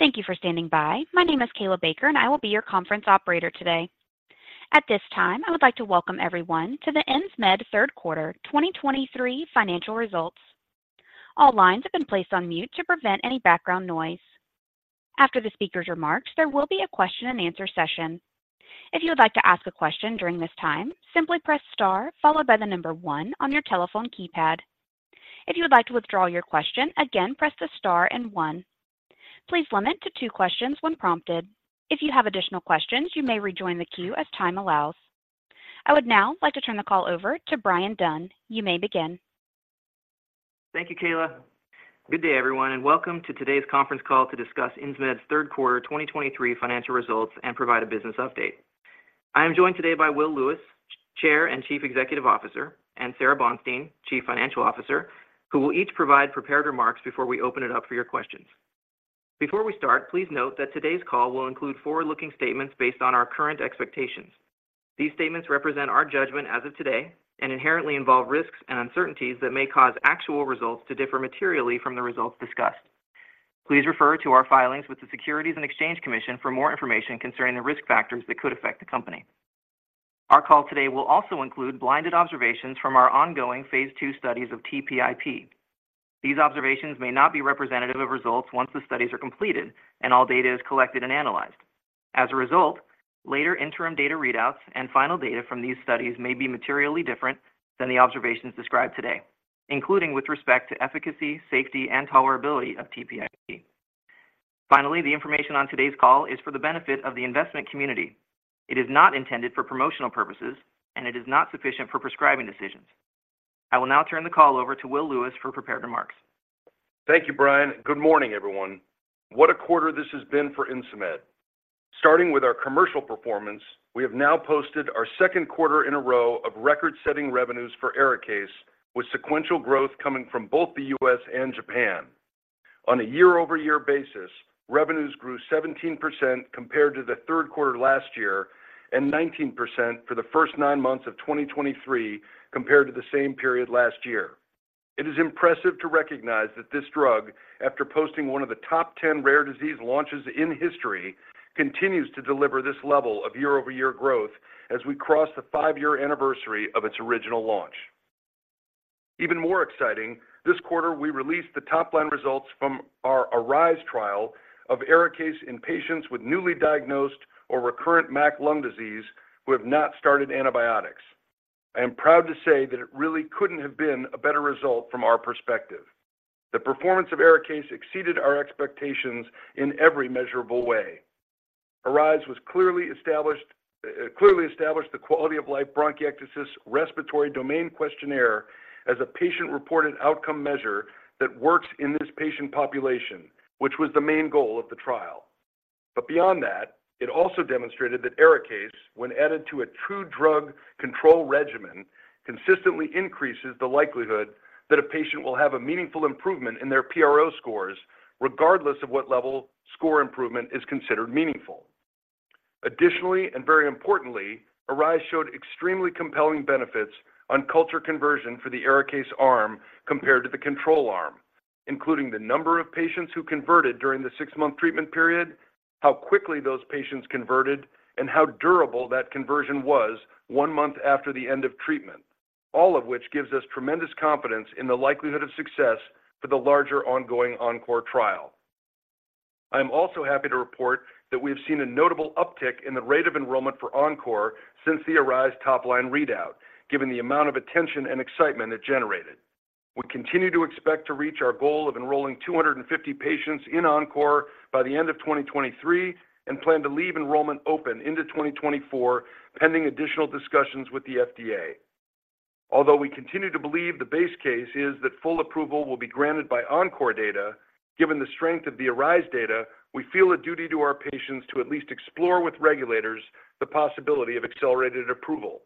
Thank you for standing by. My name is Kayla Baker, and I will be your conference operator today. At this time, I would like to welcome everyone to the Insmed Q3 2023 financial results. All lines have been placed on mute to prevent any background noise. After the speaker's remarks, there will be a question and answer session. If you would like to ask a question during this time, simply press star followed by the number 1 on your telephone keypad. If you would like to withdraw your question again, press the star and 1. Please limit to 2 questions when prompted. If you have additional questions, you may rejoin the queue as time allows. I would now like to turn the call over to Bryan Dunn. You may begin. Thank you, Kayla. Good day, everyone, and welcome to today's conference call to discuss Insmed's Q3 2023 financial results and provide a business update. I am joined today by Will Lewis, Chair and Chief Executive Officer, and Sara Bonstein, Chief Financial Officer, who will each provide prepared remarks before we open it up for your questions. Before we start, please note that today's call will include forward-looking statements based on our current expectations. These statements represent our judgment as of today and inherently involve risks and uncertainties that may cause actual results to differ materially from the results discussed. Please refer to our filings with the Securities and Exchange Commission for more information concerning the risk factors that could affect the company. Our call today will also include blinded observations from our ongoing Phase 2 studies of TPIP. These observations may not be representative of results once the studies are completed and all data is collected and analyzed. As a result, later interim data readouts and final data from these studies may be materially different than the observations described today, including with respect to efficacy, safety, and tolerability of TPIP. Finally, the information on today's call is for the benefit of the investment community. It is not intended for promotional purposes, and it is not sufficient for prescribing decisions. I will now turn the call over to Will Lewis for prepared remarks. Thank you, Bryan. Good morning, everyone. What a quarter this has been for Insmed! Starting with our commercial performance, we have now posted our Q2 in a row of record-setting revenues for ARIKAYCE, with sequential growth coming from both the U.S. and Japan. On a year-over-year basis, revenues grew 17% compared to the Q3 last year and 19% for the first nine months of 2023 compared to the same period last year. It is impressive to recognize that this drug, after posting one of the top 10 rare disease launches in history, continues to deliver this level of year-over-year growth as we cross the 5-year anniversary of its original launch. Even more exciting, this quarter, we released the top-line results from our ARISE trial of ARIKAYCE in patients with newly diagnosed or recurrent MAC lung disease who have not started antibiotics. I am proud to say that it really couldn't have been a better result from our perspective. The performance of ARIKAYCE exceeded our expectations in every measurable way. ARISE clearly established the Quality of Life-Bronchiectasis Respiratory Domain questionnaire as a patient-reported outcome measure that works in this patient population, which was the main goal of the trial. But beyond that, it also demonstrated that ARIKAYCE, when added to a true drug control regimen, consistently increases the likelihood that a patient will have a meaningful improvement in their PRO scores, regardless of what level score improvement is considered meaningful. Additionally, and very importantly, ARISE showed extremely compelling benefits on culture conversion for the ARIKAYCE arm compared to the control arm, including the number of patients who converted during the six-month treatment period, how quickly those patients converted, and how durable that conversion was one month after the end of treatment. All of which gives us tremendous confidence in the likelihood of success for the larger ongoing ENCORE trial. I am also happy to report that we have seen a notable uptick in the rate of enrollment for ENCORE since the ARISE top-line readout, given the amount of attention and excitement it generated. We continue to expect to reach our goal of enrolling 250 patients in ENCORE by the end of 2023 and plan to leave enrollment open into 2024, pending additional discussions with the FDA. Although we continue to believe the base case is that full approval will be granted by ENCORE data, given the strength of the ARISE data, we feel a duty to our patients to at least explore with regulators the possibility of accelerated approval.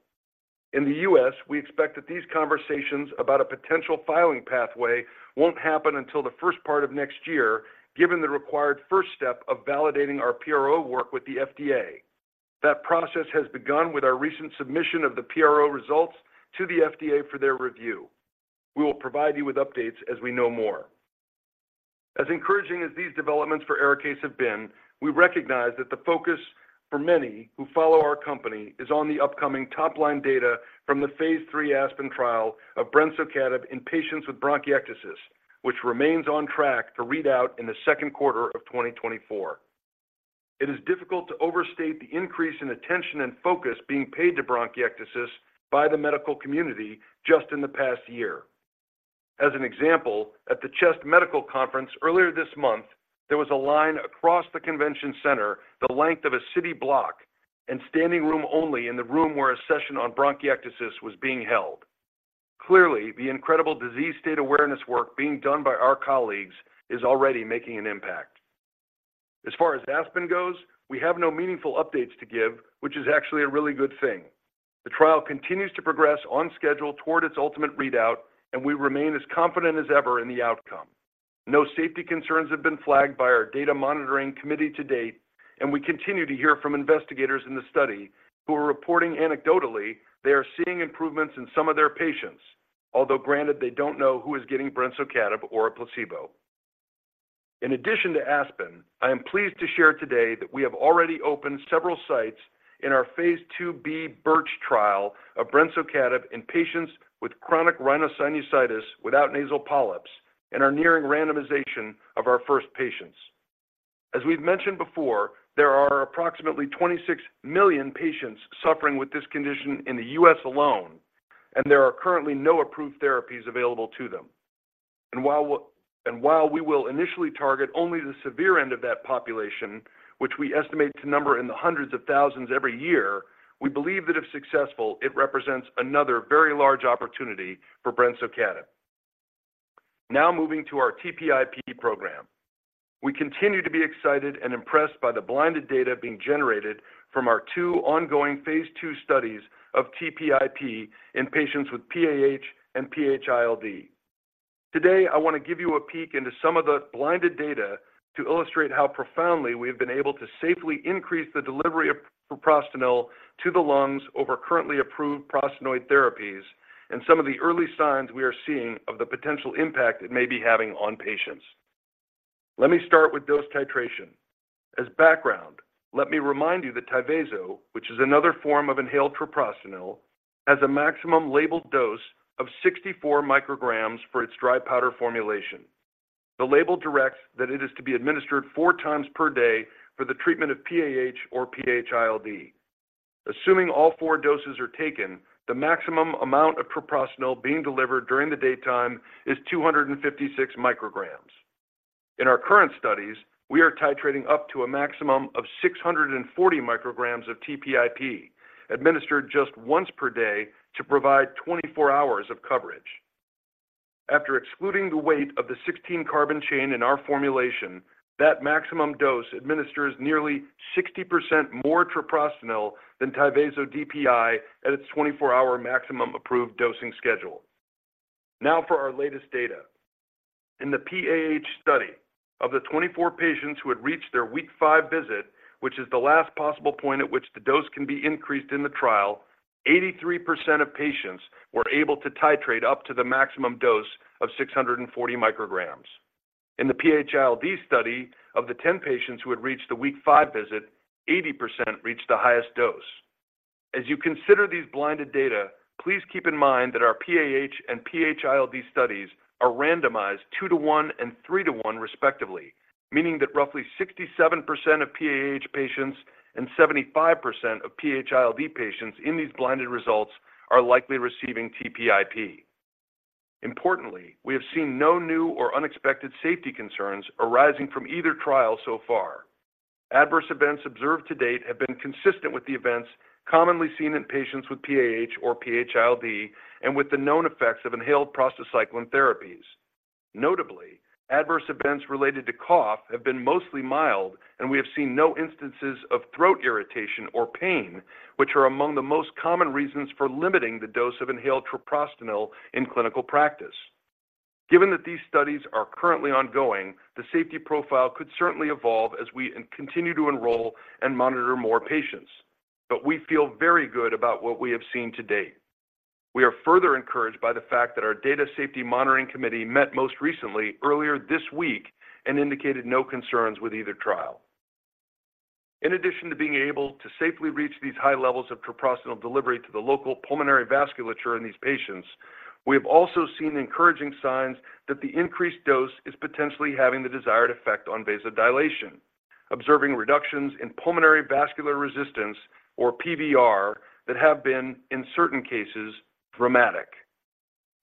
In the U.S., we expect that these conversations about a potential filing pathway won't happen until the first part of next year, given the required first step of validating our PRO work with the FDA. That process has begun with our recent submission of the PRO results to the FDA for their review. We will provide you with updates as we know more. As encouraging as these developments for ARIKAYCE have been, we recognize that the focus for many who follow our company is on the upcoming top-line data from the Phase 3 ASPEN trial of brensocatib in patients with bronchiectasis, which remains on track for readout in the Q2 of 2024. It is difficult to overstate the increase in attention and focus being paid to bronchiectasis by the medical community just in the past year. As an example, at the CHEST Medical Conference earlier this month, there was a line across the convention center, the length of a city block, and standing room only in the room where a session on bronchiectasis was being held. Clearly, the incredible disease state awareness work being done by our colleagues is already making an impact. As far as ASPEN goes, we have no meaningful updates to give, which is actually a really good thing. The trial continues to progress on schedule toward its ultimate readout, and we remain as confident as ever in the outcome. No safety concerns have been flagged by our Data Monitoring Committee to date, and we continue to hear from investigators in the study who are reporting anecdotally they are seeing improvements in some of their patients.... Although granted, they don't know who is getting brensocatib or a placebo. In addition to ASPEN, I am pleased to share today that we have already opened several sites in our Phase 2b BIRCH trial of brensocatib in patients with chronic rhinosinusitis without nasal polyps and are nearing randomization of our first patients. As we've mentioned before, there are approximately 26 million patients suffering with this condition in the U.S. alone, and there are currently no approved therapies available to them. And while we, and while we will initially target only the severe end of that population, which we estimate to number in the hundreds of thousands every year, we believe that if successful, it represents another very large opportunity for brensocatib. Now, moving to our TPIP program. We continue to be excited and impressed by the blinded data being generated from our two ongoing Phase 2 studies of TPIP in patients with PAH and PH-ILD. Today, I want to give you a peek into some of the blinded data to illustrate how profoundly we have been able to safely increase the delivery of treprostinil to the lungs over currently approved prostacyclin therapies and some of the early signs we are seeing of the potential impact it may be having on patients. Let me start with dose titration. As background, let me remind you that Tyvaso, which is another form of inhaled treprostinil, has a maximum labeled dose of 64 micrograms for its dry powder formulation. The label directs that it is to be administered 4 times per day for the treatment of PAH or PH-ILD. Assuming all 4 doses are taken, the maximum amount of treprostinil being delivered during the daytime is 256 micrograms. In our current studies, we are titrating up to a maximum of 640 micrograms of TPIP, administered just once per day to provide 24 hours of coverage. After excluding the weight of the 16 carbon chain in our formulation, that maximum dose administers nearly 60% more treprostinil than Tyvaso DPI at its 24-hour maximum approved dosing schedule. Now for our latest data. In the PAH study, of the 24 patients who had reached their week 5 visit, which is the last possible point at which the dose can be increased in the trial, 83% of patients were able to titrate up to the maximum dose of 640 micrograms. In the PH-ILD study, of the 10 patients who had reached the week 5 visit, 80% reached the highest dose. As you consider these blinded data, please keep in mind that our PAH and PH-ILD studies are randomized 2-to-1 and 3-to-1, respectively, meaning that roughly 67% of PAH patients and 75% of PH-ILD patients in these blinded results are likely receiving TPIP. Importantly, we have seen no new or unexpected safety concerns arising from either trial so far. Adverse events observed to date have been consistent with the events commonly seen in patients with PAH or PH-ILD and with the known effects of inhaled prostacyclin therapies. Notably, adverse events related to cough have been mostly mild, and we have seen no instances of throat irritation or pain, which are among the most common reasons for limiting the dose of inhaled treprostinil in clinical practice. Given that these studies are currently ongoing, the safety profile could certainly evolve as we continue to enroll and monitor more patients, but we feel very good about what we have seen to date. We are further encouraged by the fact that our Data Safety Monitoring Committee met most recently, earlier this week, and indicated no concerns with either trial. In addition to being able to safely reach these high levels of treprostinil delivery to the local pulmonary vasculature in these patients, we have also seen encouraging signs that the increased dose is potentially having the desired effect on vasodilation, observing reductions in pulmonary vascular resistance, or PVR, that have been, in certain cases, dramatic.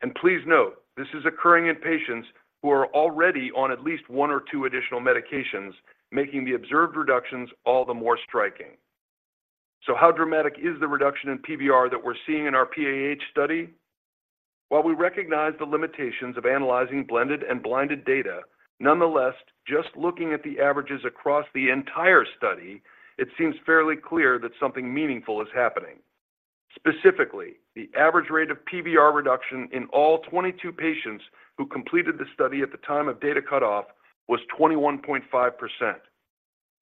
And please note, this is occurring in patients who are already on at least one or two additional medications, making the observed reductions all the more striking. So how dramatic is the reduction in PVR that we're seeing in our PAH study? While we recognize the limitations of analyzing blended and blinded data, nonetheless, just looking at the averages across the entire study, it seems fairly clear that something meaningful is happening. Specifically, the average rate of PVR reduction in all 22 patients who completed the study at the time of data cutoff was 21.5%.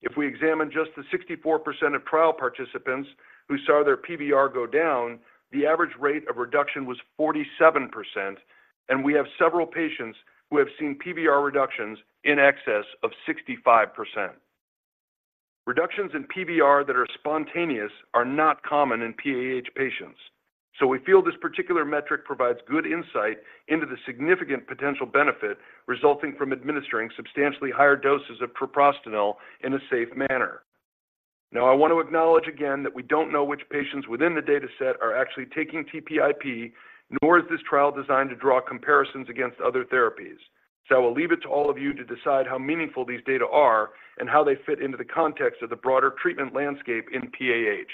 If we examine just the 64% of trial participants who saw their PVR go down, the average rate of reduction was 47%, and we have several patients who have seen PVR reductions in excess of 65%. Reductions in PVR that are spontaneous are not common in PAH patients, so we feel this particular metric provides good insight into the significant potential benefit resulting from administering substantially higher doses of treprostinil in a safe manner. Now, I want to acknowledge again that we don't know which patients within the data set are actually taking TPIP, nor is this trial designed to draw comparisons against other therapies. So I will leave it to all of you to decide how meaningful these data are and how they fit into the context of the broader treatment landscape in PAH.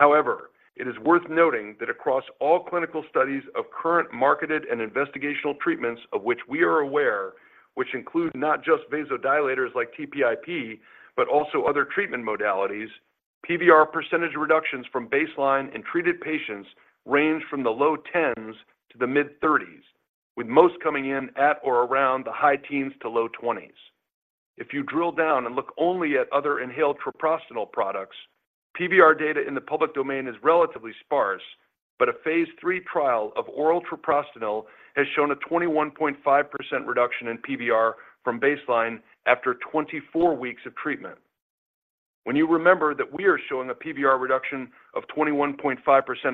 However, it is worth noting that across all clinical studies of current marketed and investigational treatments of which we are aware, which include not just vasodilators like TPIP, but also other treatment modalities, PVR percentage reductions from baseline in treated patients range from the low 10s% to the mid-30s%, with most coming in at or around the high 10s% to low 20s%.... If you drill down and look only at other inhaled treprostinil products, PVR data in the public domain is relatively sparse, but a Phase 3 trial of oral treprostinil has shown a 21.5% reduction in PVR from baseline after 24 weeks of treatment. When you remember that we are showing a PVR reduction of 21.5%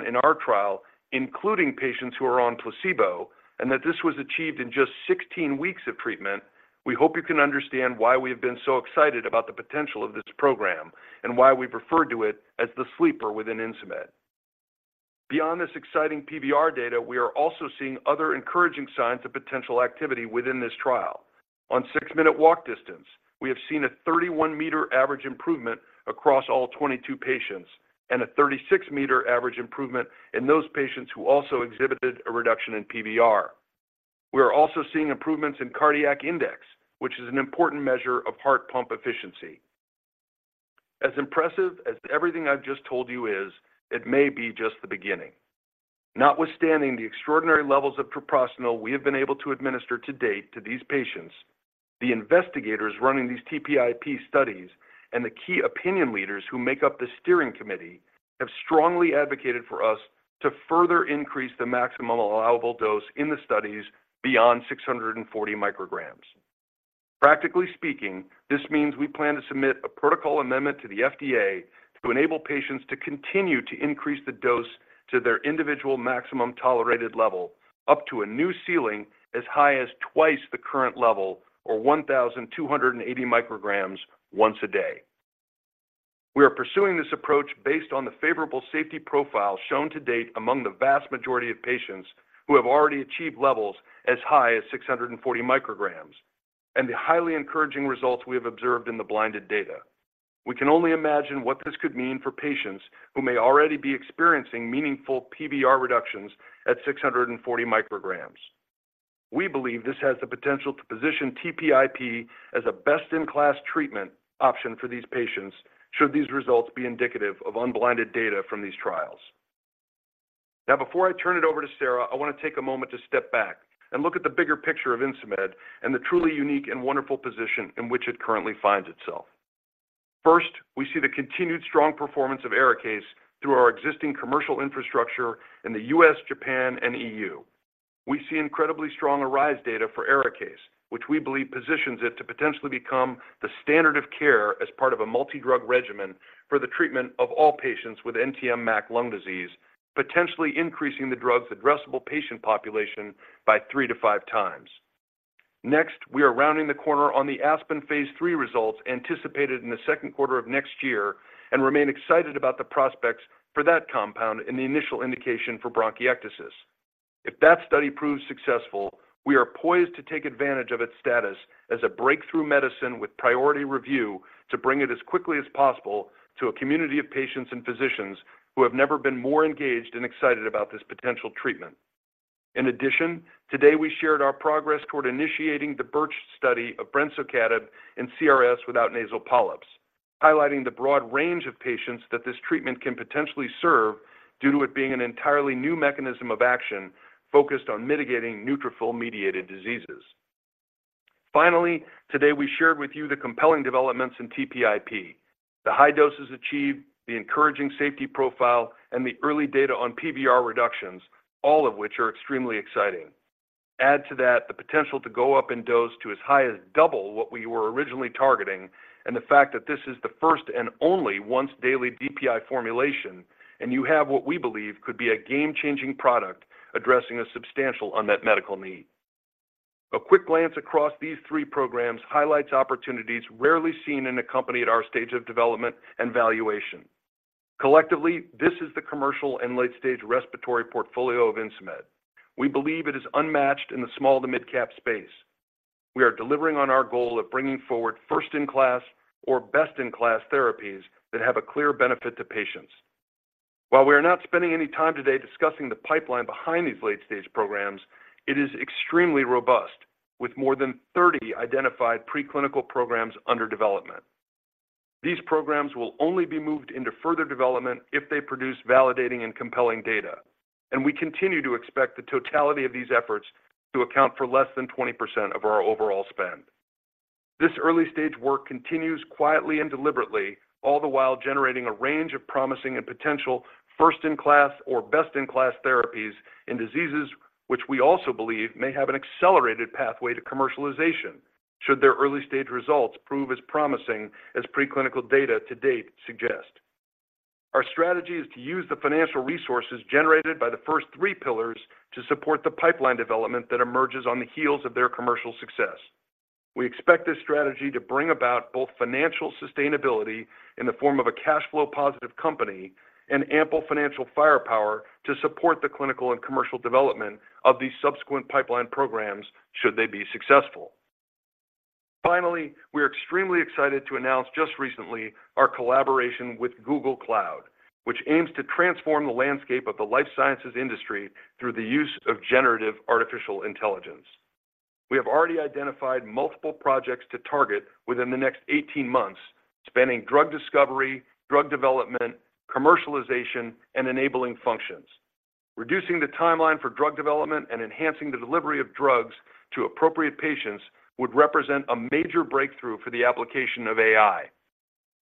in our trial, including patients who are on placebo, and that this was achieved in just 16 weeks of treatment, we hope you can understand why we have been so excited about the potential of this program and why we refer to it as the sleeper within Insmed. Beyond this exciting PVR data, we are also seeing other encouraging signs of potential activity within this trial. On six-minute walk distance, we have seen a 31-meter average improvement across all 22 patients and a 36-meter average improvement in those patients who also exhibited a reduction in PVR. We are also seeing improvements in cardiac index, which is an important measure of heart pump efficiency. As impressive as everything I've just told you is, it may be just the beginning. Notwithstanding the extraordinary levels of treprostinil we have been able to administer to date to these patients, the investigators running these TPIP studies and the key opinion leaders who make up the steering committee, have strongly advocated for us to further increase the maximum allowable dose in the studies beyond 640 micrograms. Practically speaking, this means we plan to submit a protocol amendment to the FDA to enable patients to continue to increase the dose to their individual maximum tolerated level, up to a new ceiling as high as twice the current level or 1,280 micrograms once a day. We are pursuing this approach based on the favorable safety profile shown to date among the vast majority of patients who have already achieved levels as high as 640 micrograms, and the highly encouraging results we have observed in the blinded data. We can only imagine what this could mean for patients who may already be experiencing meaningful PVR reductions at 640 micrograms. We believe this has the potential to position TPIP as a best-in-class treatment option for these patients, should these results be indicative of unblinded data from these trials. Now, before I turn it over to Sara, I want to take a moment to step back and look at the bigger picture of Insmed and the truly unique and wonderful position in which it currently finds itself. First, we see the continued strong performance of ARIKAYCE through our existing commercial infrastructure in the U.S., Japan, and E.U. We see incredibly strong ARISE data for ARIKAYCE, which we believe positions it to potentially become the standard of care as part of a multidrug regimen for the treatment of all patients with NTM-MAC lung disease, potentially increasing the drug's addressable patient population by three to five times. Next, we are rounding the corner on the ASPEN Phase 3 results anticipated in the Q2 of next year and remain excited about the prospects for that compound in the initial indication for bronchiectasis. If that study proves successful, we are poised to take advantage of its status as a breakthrough medicine with priority review to bring it as quickly as possible to a community of patients and physicians who have never been more engaged and excited about this potential treatment. In addition, today, we shared our progress toward initiating the BIRCH study of brensocatib in CRSsNP, highlighting the broad range of patients that this treatment can potentially serve due to it being an entirely new mechanism of action focused on mitigating neutrophil-mediated diseases. Finally, today, we shared with you the compelling developments in TPIP, the high doses achieved, the encouraging safety profile, and the early data on PVR reductions, all of which are extremely exciting. Add to that the potential to go up in dose to as high as double what we were originally targeting, and the fact that this is the first and only once-daily DPI formulation, and you have what we believe could be a game-changing product addressing a substantial unmet medical need. A quick glance across these 3 programs highlights opportunities rarely seen in a company at our stage of development and valuation. Collectively, this is the commercial and late-stage respiratory portfolio of Insmed. We believe it is unmatched in the small to mid-cap space. We are delivering on our goal of bringing forward first-in-class or best-in-class therapies that have a clear benefit to patients. While we are not spending any time today discussing the pipeline behind these late-stage programs, it is extremely robust, with more than 30 identified preclinical programs under development. These programs will only be moved into further development if they produce validating and compelling data, and we continue to expect the totality of these efforts to account for less than 20% of our overall spend. This early-stage work continues quietly and deliberately, all the while generating a range of promising and potential first-in-class or best-in-class therapies in diseases which we also believe may have an accelerated pathway to commercialization, should their early-stage results prove as promising as preclinical data to date suggest. Our strategy is to use the financial resources generated by the first three pillars to support the pipeline development that emerges on the heels of their commercial success. We expect this strategy to bring about both financial sustainability in the form of a cash flow positive company and ample financial firepower to support the clinical and commercial development of these subsequent pipeline programs, should they be successful. Finally, we are extremely excited to announce just recently our collaboration with Google Cloud, which aims to transform the landscape of the life sciences industry through the use of generative artificial intelligence. We have already identified multiple projects to target within the next 18 months, spanning drug discovery, drug development, commercialization, and enabling functions.... Reducing the timeline for drug development and enhancing the delivery of drugs to appropriate patients would represent a major breakthrough for the application of AI.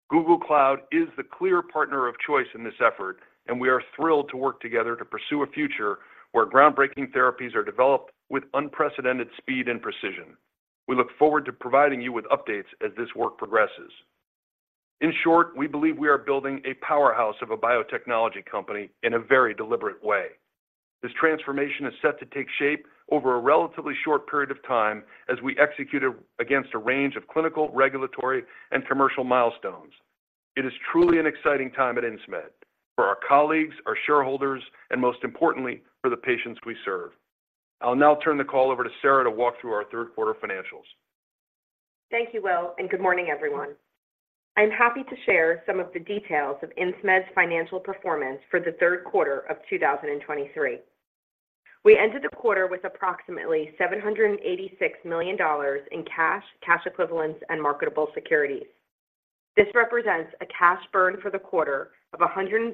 Google Cloud is the clear partner of choice in this effort, and we are thrilled to work together to pursue a future where groundbreaking therapies are developed with unprecedented speed and precision. We look forward to providing you with updates as this work progresses. In short, we believe we are building a powerhouse of a biotechnology company in a very deliberate way. This transformation is set to take shape over a relatively short period of time as we execute against a range of clinical, regulatory, and commercial milestones. It is truly an exciting time at Insmed for our colleagues, our shareholders, and most importantly, for the patients we serve. I'll now turn the call over to Sara to walk through our Q3 financials. Thank you, Will, and good morning, everyone. I'm happy to share some of the details of Insmed's financial performance for the Q3 of 2023. We ended the quarter with approximately $786 million in cash, cash equivalents, and marketable securities. This represents a cash burn for the quarter of $132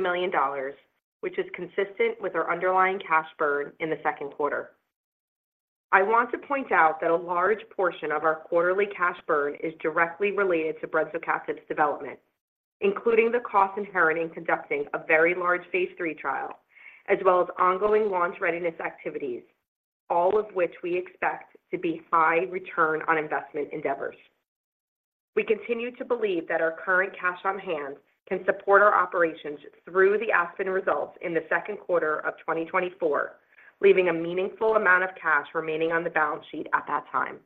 million, which is consistent with our underlying cash burn in the Q2. I want to point out that a large portion of our quarterly cash burn is directly related to brensocatib's development, including the cost inherent in conducting a very large Phase 3 trial, as well as ongoing launch readiness activities, all of which we expect to be high return on investment endeavors. We continue to believe that our current cash on hand can support our operations through the ASPEN results in the Q2 of 2024, leaving a meaningful amount of cash remaining on the balance sheet at that time.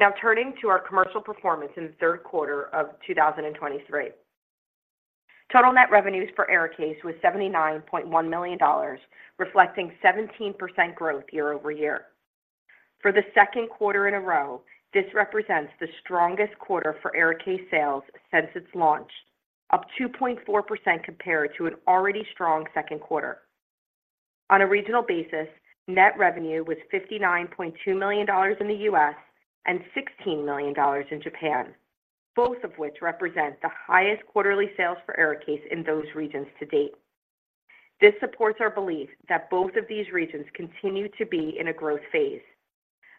Now, turning to our commercial performance in the Q3 of 2023. Total net revenues for ARIKAYCE was $79.1 million, reflecting 17% growth year-over-year. For the Q2 in a row, this represents the strongest quarter for ARIKAYCE sales since its launch, up 2.4% compared to an already strong Q2. On a regional basis, net revenue was $59.2 million in the U.S. and $16 million in Japan, both of which represent the highest quarterly sales for ARIKAYCE in those regions to date. This supports our belief that both of these regions continue to be in a growth phase.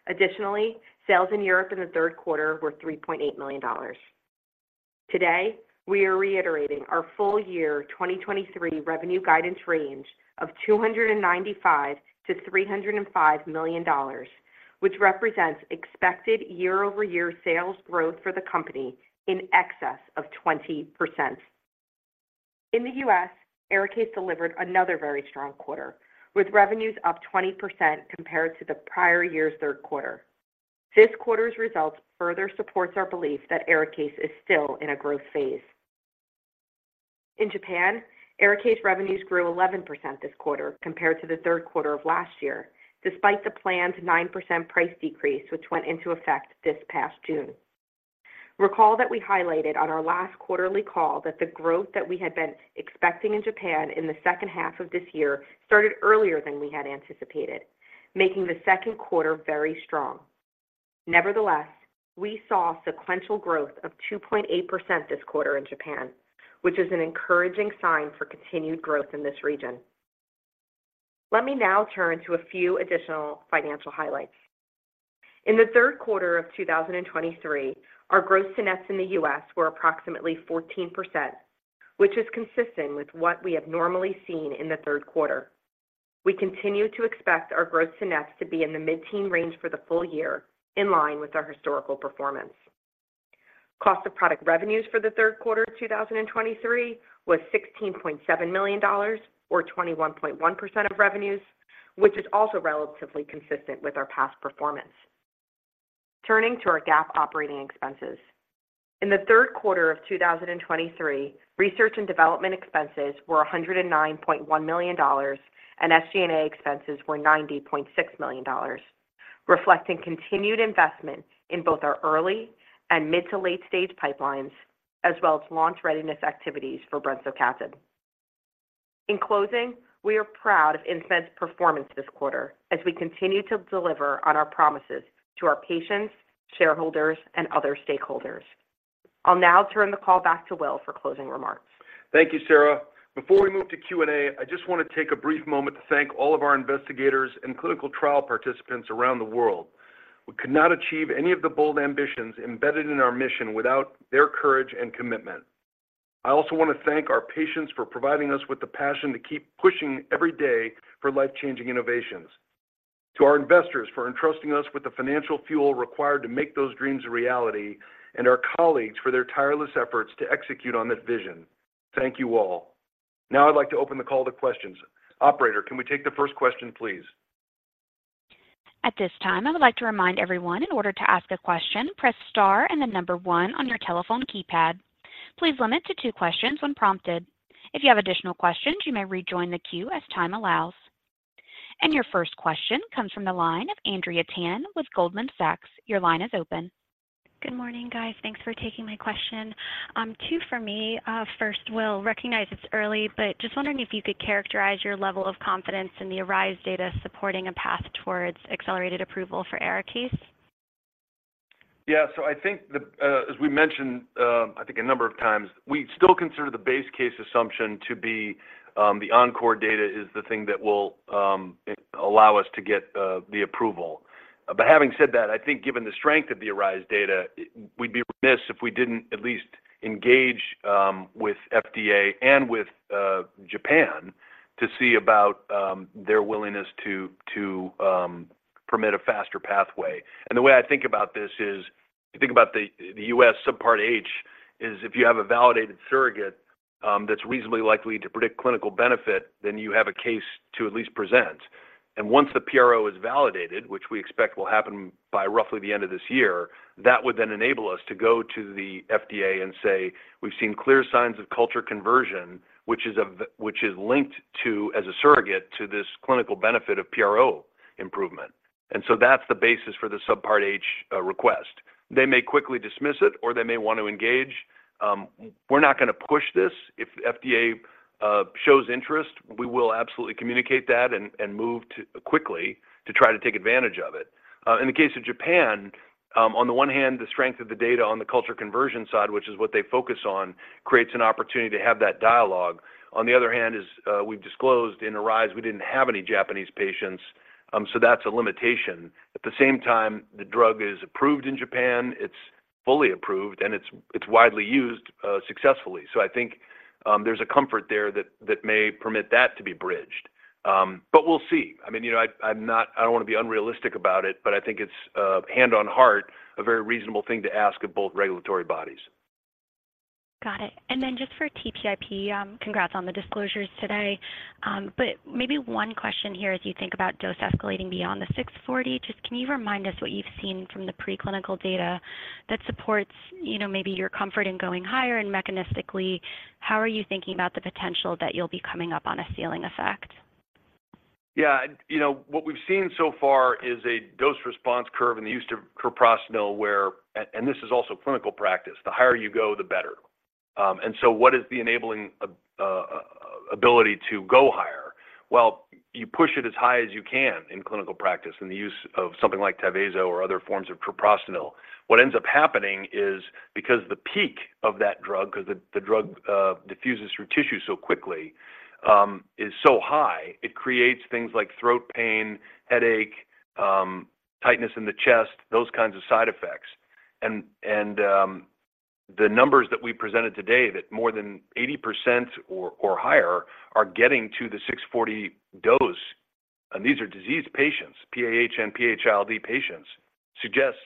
Additionally, sales in Europe in the Q3 were $3.8 million. Today, we are reiterating our full year 2023 revenue guidance range of $295 million-$305 million, which represents expected year-over-year sales growth for the company in excess of 20%. In the U.S., ARIKAYCE delivered another very strong quarter, with revenues up 20% compared to the prior year's Q3. This quarter's results further supports our belief that ARIKAYCE is still in a growth phase. In Japan, ARIKAYCE revenues grew 11% this quarter compared to the Q3 of last year, despite the planned 9% price decrease, which went into effect this past June. Recall that we highlighted on our last quarterly call that the growth that we had been expecting in Japan in the second half of this year started earlier than we had anticipated, making the Q2 very strong. Nevertheless, we saw sequential growth of 2.8% this quarter in Japan, which is an encouraging sign for continued growth in this region. Let me now turn to a few additional financial highlights. In the Q3 of 2023, our gross to nets in the U.S. were approximately 14%, which is consistent with what we have normally seen in the Q3. We continue to expect our gross to nets to be in the mid-teen range for the full year, in line with our historical performance. Cost of product revenues for the Q3 of 2023 was $16.7 million, or 21.1% of revenues, which is also relatively consistent with our past performance. Turning to our GAAP operating expenses. In the Q3 of 2023, research and development expenses were $109.1 million, and SG&A expenses were $90.6 million, reflecting continued investment in both our early and mid- to late-stage pipelines, as well as launch readiness activities for brensocatib. In closing, we are proud of Insmed's performance this quarter as we continue to deliver on our promises to our patients, shareholders, and other stakeholders. I'll now turn the call back to Will for closing remarks. Thank you, Sara. Before we move to Q&A, I just want to take a brief moment to thank all of our investigators and clinical trial participants around the world. We could not achieve any of the bold ambitions embedded in our mission without their courage and commitment. I also want to thank our patients for providing us with the passion to keep pushing every day for life-changing innovations. To our investors for entrusting us with the financial fuel required to make those dreams a reality, and our colleagues for their tireless efforts to execute on this vision. Thank you all. Now, I'd like to open the call to questions. Operator, can we take the first question, please? At this time, I would like to remind everyone, in order to ask a question, press star and the number one on your telephone keypad. Please limit to two questions when prompted. If you have additional questions, you may rejoin the queue as time allows. Your first question comes from the line of Andrea Tan with Goldman Sachs. Your line is open. Good morning, guys. Thanks for taking my question. Two for me. First, Will, recognize it's early, but just wondering if you could characterize your level of confidence in the ARISE data supporting a path towards accelerated approval for ARIKAYCE? As we mentioned, I think a number of times, we still consider the base case assumption to be, the ENCORE data is the thing that will, allow us to get, the approval. But having said that, I think given the strength of the ARISE data, we'd be remiss if we didn't at least engage, with FDA and with, Japan to see about, their willingness to, to, permit a faster pathway. And the way I think about this is, you think about the U.S. Subpart H is if you have a validated surrogate, that's reasonably likely to predict clinical benefit, then you have a case to at least present. And once the PRO is validated, which we expect will happen by roughly the end of this year, that would then enable us to go to the FDA and say, "We've seen clear signs of culture conversion, which is linked to, as a surrogate, to this clinical benefit of PRO improvement." And so that's the basis for the Subpart H request. They may quickly dismiss it, or they may want to engage. We're not gonna push this. If FDA shows interest, we will absolutely communicate that and move quickly to try to take advantage of it. In the case of Japan, on the one hand, the strength of the data on the culture conversion side, which is what they focus on, creates an opportunity to have that dialogue. On the other hand, as we've disclosed in ARISE, we didn't have any Japanese patients, so that's a limitation. At the same time, the drug is approved in Japan, it's fully approved, and it's widely used successfully. So I think there's a comfort there that may permit that to be bridged. But we'll see. I mean, I don't wanna be unrealistic about it, but I think it's hand on heart, a very reasonable thing to ask of both regulatory bodies. Got it. And then just for TPIP, congrats on the disclosures today. But maybe one question here, as you think about dose escalating beyond the 640, just can you remind us what you've seen from the preclinical data that supports, maybe your comfort in going higher? And mechanistically, how are you thinking about the potential that you'll be coming up on a ceiling effect? What we've seen so far is a dose-response curve in the use of prostacylin, where, and this is also clinical practice, the higher you go, the better. And so what is the enabling ability to go higher? Well, you push it as high as you can in clinical practice, in the use of something like Tyvaso or other forms of prostacylin. What ends up happening is, because the peak of that drug, 'cause the, the drug, diffuses through tissue so quickly, is so high, it creates things like throat pain, headache, tightness in the chest, those kinds of side effects. The numbers that we presented today, that more than 80% or higher are getting to the 640 dose, and these are diseased patients, PAH and PH-ILD patients, suggests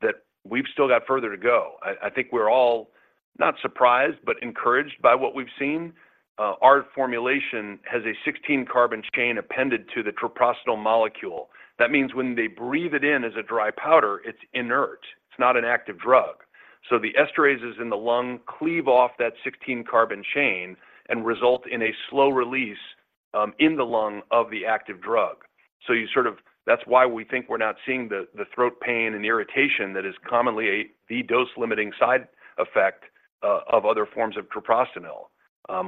that we've still got further to go. I think we're all not surprised, but encouraged by what we've seen. Our formulation has a 16-carbon chain appended to the treprostinil molecule. That means when they breathe it in as a dry powder, it's inert. It's not an active drug. So the esterases in the lung cleave off that 16-carbon chain and result in a slow release in the lung of the active drug. So you sort of, that's why we think we're not seeing the throat pain and irritation that is commonly a dose-limiting side effect of other forms of treprostinil.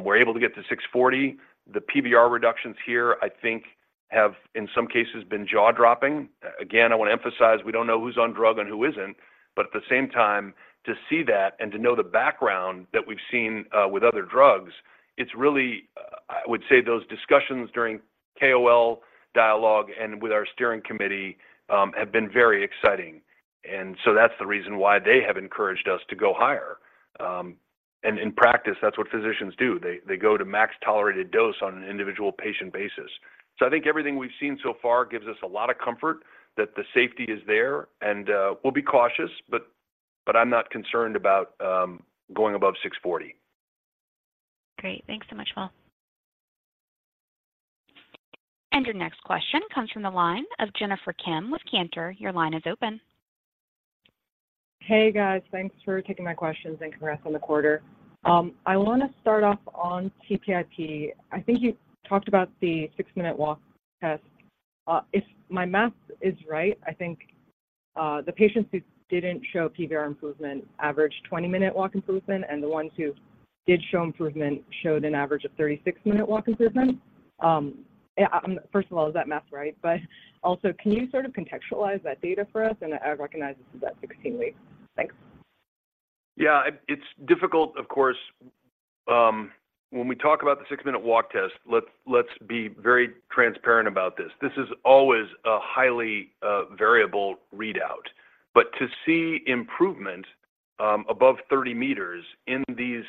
We're able to get to 640. The PVR reductions here, I think, have, in some cases, been jaw-dropping. Again, I wanna emphasize, we don't know who's on drug and who isn't. But at the same time, to see that and to know the background that we've seen with other drugs, it's really, I would say those discussions during KOL dialogue and with our steering committee have been very exciting. And so that's the reason why they have encouraged us to go higher. And in practice, that's what physicians do. They go to max tolerated dose on an individual patient basis. So I think everything we've seen so far gives us a lot of comfort that the safety is there, and we'll be cautious, but I'm not concerned about going above 640. Great. Thanks so much, Paul. Your next question comes from the line of Jennifer Kim with Cantor. Your line is open. Hey, guys. Thanks for taking my questions and congrats on the quarter. I wanna start off on TPIP. I think you talked about the 6-minute walk test. If my math is right, I think, the patients who didn't show PVR improvement averaged 20-minute walk improvement, and the ones who did show improvement showed an average of 36-minute walk improvement. First of all, is that math right? But also, can you sort of contextualize that data for us? And I recognize this is at 16 weeks. Thanks. Yeah, it's difficult, of course. When we talk about the six-minute walk test, let's be very transparent about this. This is always a highly variable readout. But to see improvement above 30 meters in these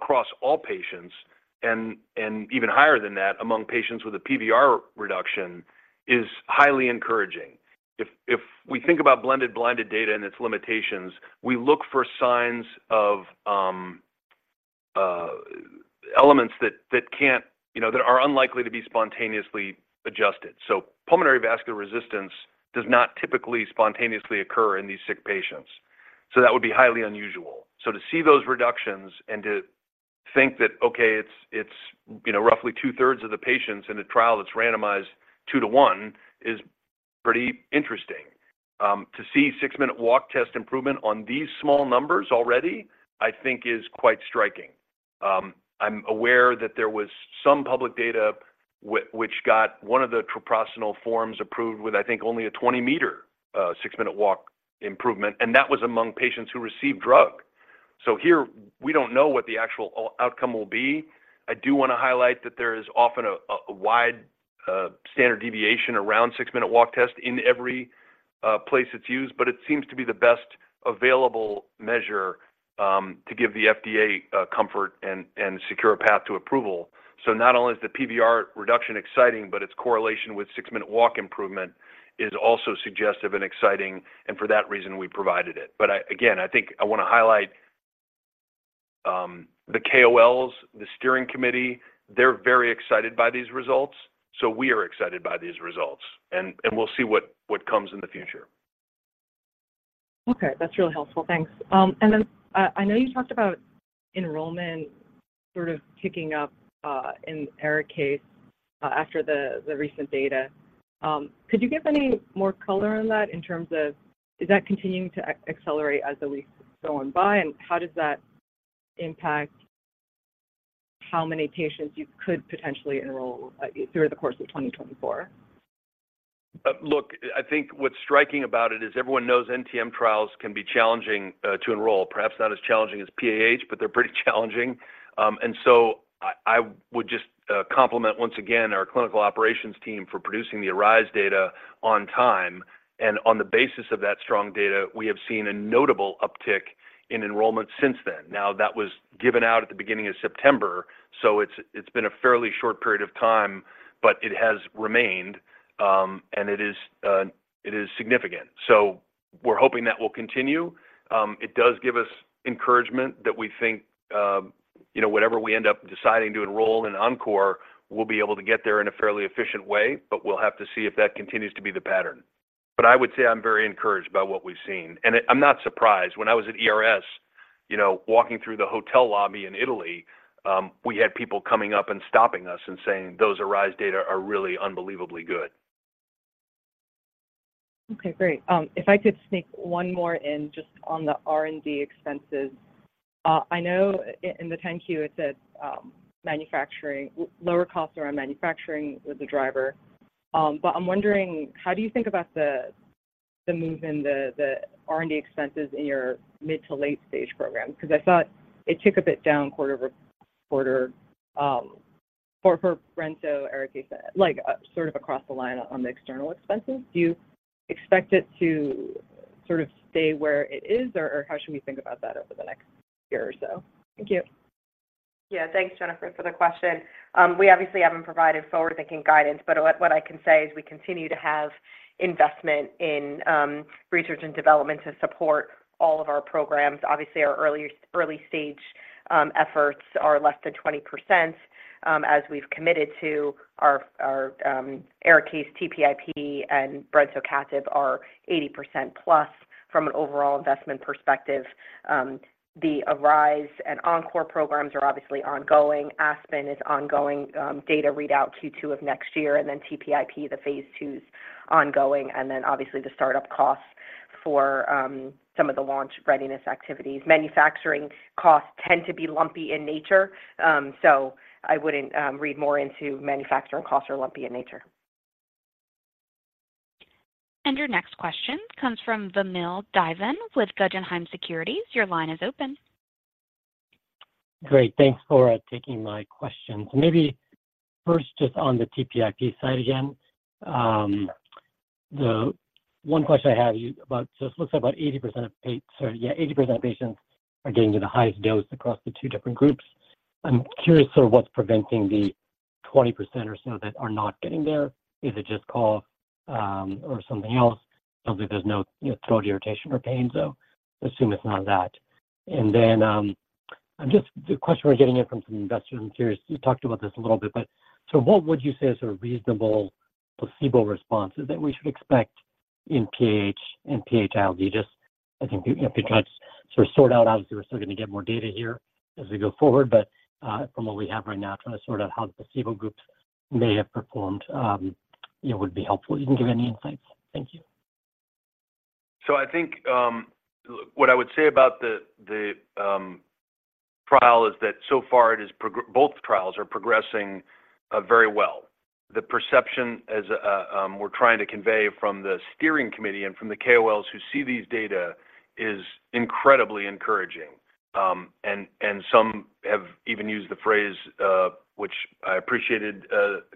across all patients and even higher than that among patients with a PVR reduction is highly encouraging. If we think about blended blinded data and its limitations, we look for signs of elements that are unlikely to be spontaneously adjusted. So pulmonary vascular resistance does not typically spontaneously occur in these sick patients, so that would be highly unusual. So to see those reductions and to think that, okay, it's roughly 2/3 of the patients in a trial that's randomized 2:1 is pretty interesting. To see six-minute walk test improvement on these small numbers already, I think is quite striking. I'm aware that there was some public data which got one of the treprostinil forms approved with, I think, only a 20-meter six-minute walk improvement, and that was among patients who received drug. So here, we don't know what the actual outcome will be. I do want to highlight that there is often a wide standard deviation around six-minute walk test in every place it's used, but it seems to be the best available measure to give the FDA comfort and secure a path to approval. So not only is the PVR reduction exciting, but its correlation with six-minute walk improvement is also suggestive and exciting, and for that reason, we provided it. Again, I think I want to highlight the KOLs, the steering committee. They're very excited by these results, so we are excited by these results, and we'll see what comes in the future. Okay. That's really helpful. Thanks. And then, I know you talked about enrollment sort of kicking up, in ARISE after the, the recent data. Could you give any more color on that in terms of is that continuing to accelerate as the weeks go on by, and how does that impact how many patients you could potentially enroll, through the course of 2024? Look, I think what's striking about it is everyone knows NTM trials can be challenging to enroll. Perhaps not as challenging as PAH, but they're pretty challenging. And so I would just compliment once again our clinical operations team for producing the ARISE data on time, and on the basis of that strong data, we have seen a notable uptick in enrollment since then. Now, that was given out at the beginning of September, so it's been a fairly short period of time, but it has remained, and it is significant. So we're hoping that will continue. It does give us encouragement that we think whatever we end up deciding to enroll in ENCORE, we'll be able to get there in a fairly efficient way, but we'll have to see if that continues to be the pattern. I would say I'm very encouraged by what we've seen, and I'm not surprised. When I was at ERS, walking through the hotel lobby in Italy, we had people coming up and stopping us and saying, "Those ARISE data are really unbelievably good. Okay, great. If I could sneak one more in, just on the R&D expenses. I know in the 10-Q, it says, lower costs around manufacturing was the driver. But I'm wondering: how do you think about the move in the R&D expenses in your mid to late stage program? Because I thought it took a bit down quarter-over-quarter, for brensocatib, ARIKAYCE, like, sort of across the line on the external expenses. Do you expect it to sort of stay where it is, or how should we think about that over the next year or so? Thank you. Yeah. Thanks, Jennifer, for the question. We obviously haven't provided forward-thinking guidance, but what I can say is we continue to have investment in research and development to support all of our programs. Obviously, our early stage efforts are less than 20%. As we've committed to our ARIKAYCE, TPIP and brensocatib are 80% plus from an overall investment perspective. The ARISE and ENCORE programs are obviously ongoing. ASPEN is ongoing, data readout Q2 of next year, and then TPIP, the Phase 2s ongoing, and then obviously the start-up costs for some of the launch readiness activities. Manufacturing costs tend to be lumpy in nature, so I wouldn't read more into manufacturing costs are lumpy in nature. Your next question comes from Vamil Divan with Guggenheim Securities. Your line is open. Great, thanks for taking my questions. Maybe first, just on the TPIP side again, one question I have about so it looks like about 80% of patients are getting to the highest dose across the two different groups. I'm curious sort of what's preventing the 20% or so that are not getting there. Is it just cost, or something else? Sounds like there's no throat irritation or pain, so assume it's none of that. And then, I'm just the question we're getting in from some investors, I'm curious, you talked about this a little bit, but so what would you say is a reasonable placebo response that we should expect in PAH, in PAH LD? If you try to sort of sort out, obviously, we're still going to get more data here as we go forward, but, from what we have right now, trying to sort out how the placebo groups may have performed would be helpful. You can give any insights? Thank you. So I think what I would say about the trial is that so far both trials are progressing very well. The perception, as we're trying to convey from the steering committee and from the KOLs who see these data, is incredibly encouraging. And some have even used the phrase, which I appreciated,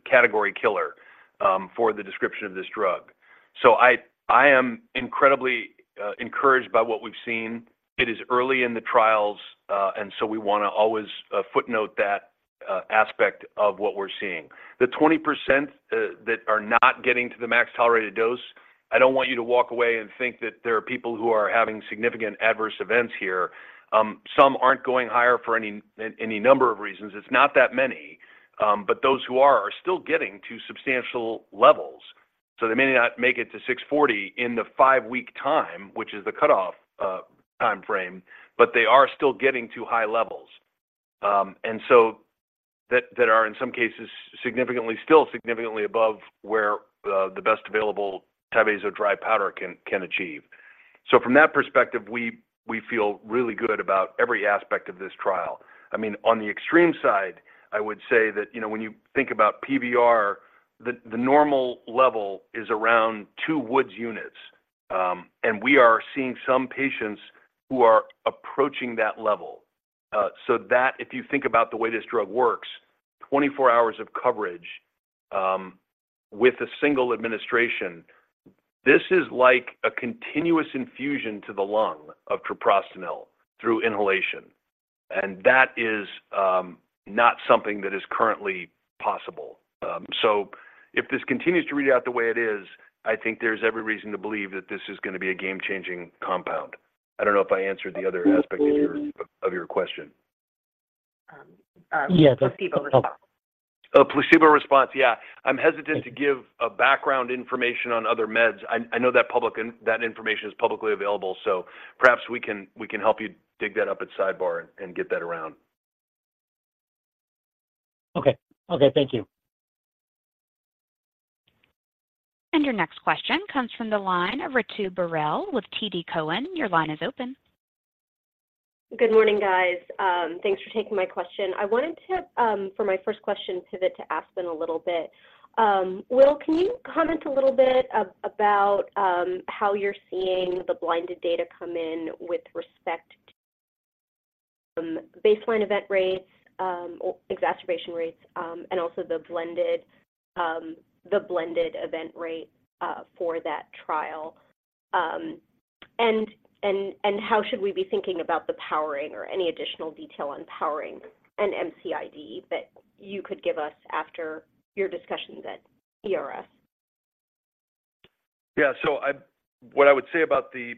category killer for the description of this drug. So I am incredibly encouraged by what we've seen. It is early in the trials, and so we wanna always footnote that aspect of what we're seeing. The 20% that are not getting to the max tolerated dose, I don't want you to walk away and think that there are people who are having significant adverse events here. Some aren't going higher for any number of reasons. It's not that many, but those who are, are still getting to substantial levels. So they may not make it to 640 in the 5-week time, which is the cutoff timeframe, but they are still getting to high levels that are in some cases, significantly, still significantly above where the best available Tyvaso dry powder can achieve. So from that perspective, we feel really good about every aspect of this trial. I mean, on the extreme side, I would say that when you think about PVR, the normal level is around 2 Wood units, and we are seeing some patients who are approaching that level. So that if you think about the way this drug works, 24 hours of coverage with a single administration, this is like a continuous infusion to the lung of treprostinil through inhalation, and that is not something that is currently possible. So if this continues to read out the way it is, I think there's every reason to believe that this is gonna be a game-changing compound. I don't know if I answered the other aspect of your, of your question. Placebo response. Oh, placebo response. Yeah. I'm hesitant to give a background information on other meds. I know that publicly, that information is publicly available, so perhaps we can help you dig that up at Sidebar and get that around. Okay. Okay, thank you. Your next question comes from the line of Ritu Baral with TD Cowen. Your line is open. Good morning, guys. Thanks for taking my question. I wanted to, for my first question, pivot to ASPEN a little bit. Will, can you comment a little bit about how you're seeing the blinded data come in with respect to baseline event rates or exacerbation rates, and also the blended event rate for that trial? And how should we be thinking about the powering or any additional detail on powering an MCID that you could give us after your discussions at ERS? Yeah. So what I would say about the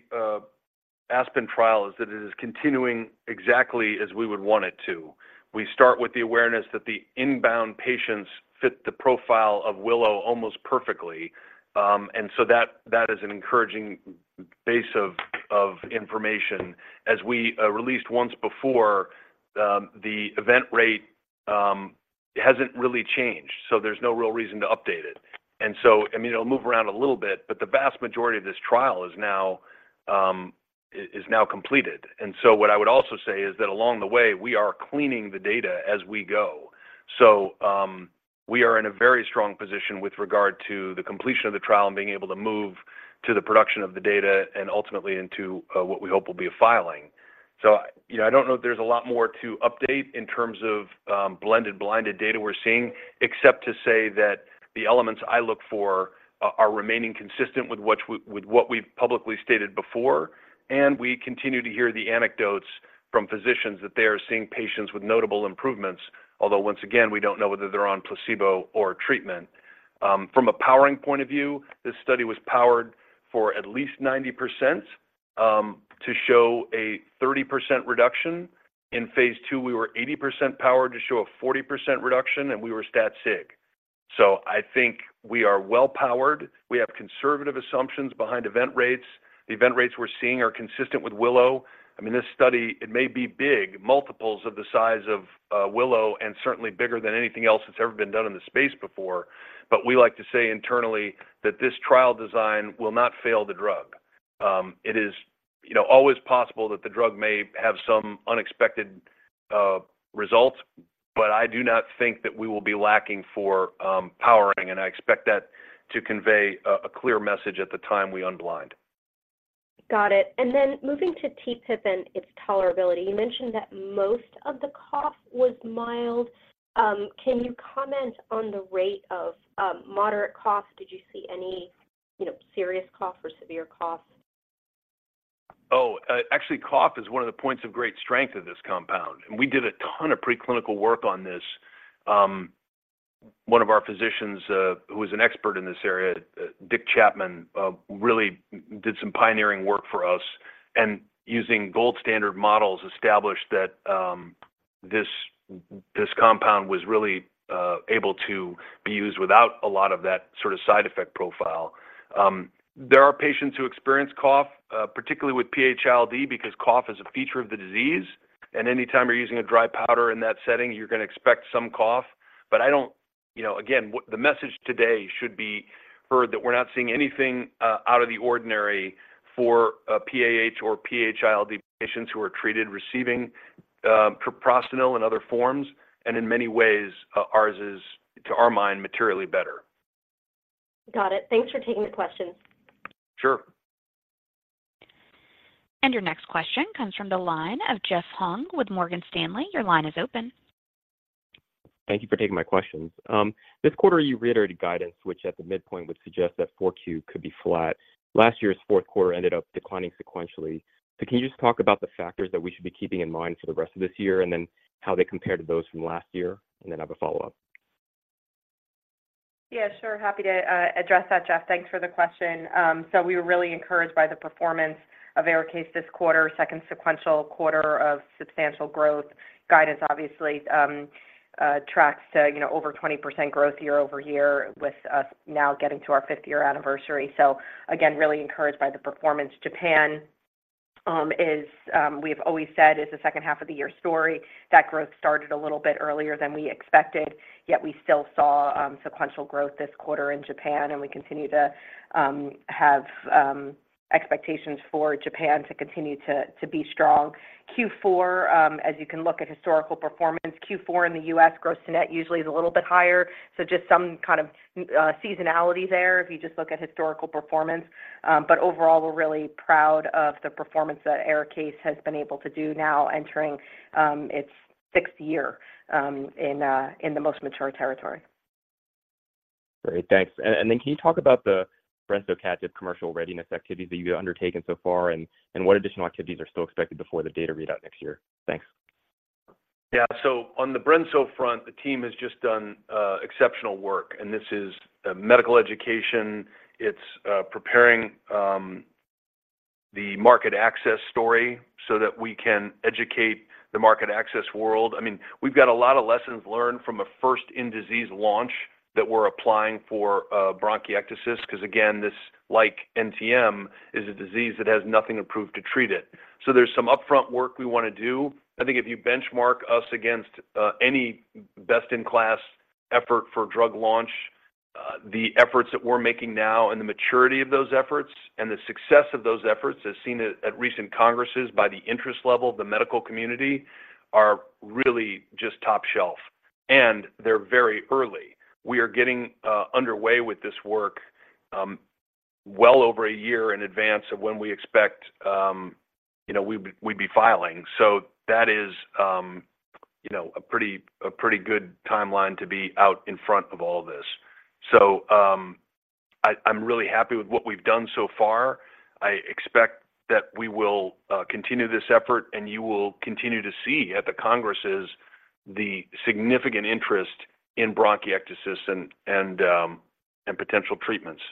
ASPEN trial is that it is continuing exactly as we would want it to. We start with the awareness that the inbound patients fit the profile of WILLOW almost perfectly. And so that is an encouraging base of information. As we released once before, the event rate, it hasn't really changed, so there's no real reason to update it. And so, I mean, it'll move around a little bit, but the vast majority of this trial is now completed. And so what I would also say is that along the way, we are cleaning the data as we go. So, we are in a very strong position with regard to the completion of the trial and being able to move to the production of the data and ultimately into what we hope will be a filing. So I don't know that there's a lot more to update in terms of blended, blinded data we're seeing, except to say that the elements I look for are remaining consistent with what with what we've publicly stated before, and we continue to hear the anecdotes from physicians that they are seeing patients with notable improvements, although once again, we don't know whether they're on placebo or treatment. From a powering point of view, this study was powered for at least 90% to show a 30% reduction. In phase 2, we were 80% powered to show a 40% reduction, and we were stat sig. So I think we are well-powered. We have conservative assumptions behind event rates. The event rates we're seeing are consistent with Willow. I mean, this study, it may be big, multiples of the size of Willow, and certainly bigger than anything else that's ever been done in the space before, but we like to say internally that this trial design will not fail the drug. It is always possible that the drug may have some unexpected results, but I do not think that we will be lacking for powering, and I expect that to convey a clear message at the time we unblind. Got it. Then moving to TPIP and its tolerability, you mentioned that most of the cough was mild. Can you comment on the rate of moderate cough? Did you see any serious cough or severe cough? Oh, actually, cough is one of the points of great strength of this compound. We did a ton of preclinical work on this. One of our physicians, who is an expert in this area, Richard Chapman, really did some pioneering work for us, and using gold standard models, established that this compound was really able to be used without a lot of that sort of side effect profile. There are patients who experience cough, particularly with PH-ILD, because cough is a feature of the disease, and anytime you're using a dry powder in that setting, you're gonna expect some cough. But I don't... Again, the message today should be heard that we're not seeing anything out of the ordinary for PAH or PH-ILD patients who are treated receiving treprostinil in other forms, and in many ways, ours is, to our mind, materially better. Got it. Thanks for taking the question. Sure. Your next question comes from the line of Jeff Hung with Morgan Stanley. Your line is open. Thank you for taking my questions. This quarter, you reiterated guidance, which at the midpoint would suggest that Q4 could be flat. Last year's Q4 ended up declining sequentially. So can you just talk about the factors that we should be keeping in mind for the rest of this year, and then how they compare to those from last year? And then I have a follow-up. Happy to address that, Jeff. Thanks for the question. So we were really encouraged by the performance of ARIKAYCE this quarter, second sequential quarter of substantial growth. Guidance, obviously, tracks to over 20% growth year-over-year, with us now getting to our fifth-year anniversary. So again, really encouraged by the performance. Japan is, we've always said is the second half of the year story. That growth started a little bit earlier than we expected, yet we still saw sequential growth this quarter in Japan, and we continue to have expectations for Japan to continue to be strong. Q4, as you can look at historical performance, Q4 in the U.S., gross to net usually is a little bit higher, so just some kind of seasonality there if you just look at historical performance. Overall, we're really proud of the performance that ARIKAYCE has been able to do now entering its sixth year in the most mature territory. Great. Thanks. And then can you talk about the brensocatib commercial readiness activities that you've undertaken so far, and what additional activities are still expected before the data readout next year? Thanks. On the brenso front, the team has just done exceptional work, and this is medical education. It's preparing the market access story so that we can educate the market access world. I mean, we've got a lot of lessons learned from a first-in-disease launch that we're applying for bronchiectasis, 'cause, again, this, like NTM, is a disease that has nothing approved to treat it. So there's some upfront work we wanna do. I think if you benchmark us against any best-in-class effort for drug launch, the efforts that we're making now and the maturity of those efforts and the success of those efforts, as seen at recent congresses by the interest level of the medical community, are really just top shelf, and they're very early. We are getting underway with this work, well over a year in advance of when we expect we'd be filing. So that is a pretty good timeline to be out in front of all this. So, I'm really happy with what we've done so far. I expect that we will continue this effort, and you will continue to see at the congresses the significant interest in bronchiectasis and potential treatments.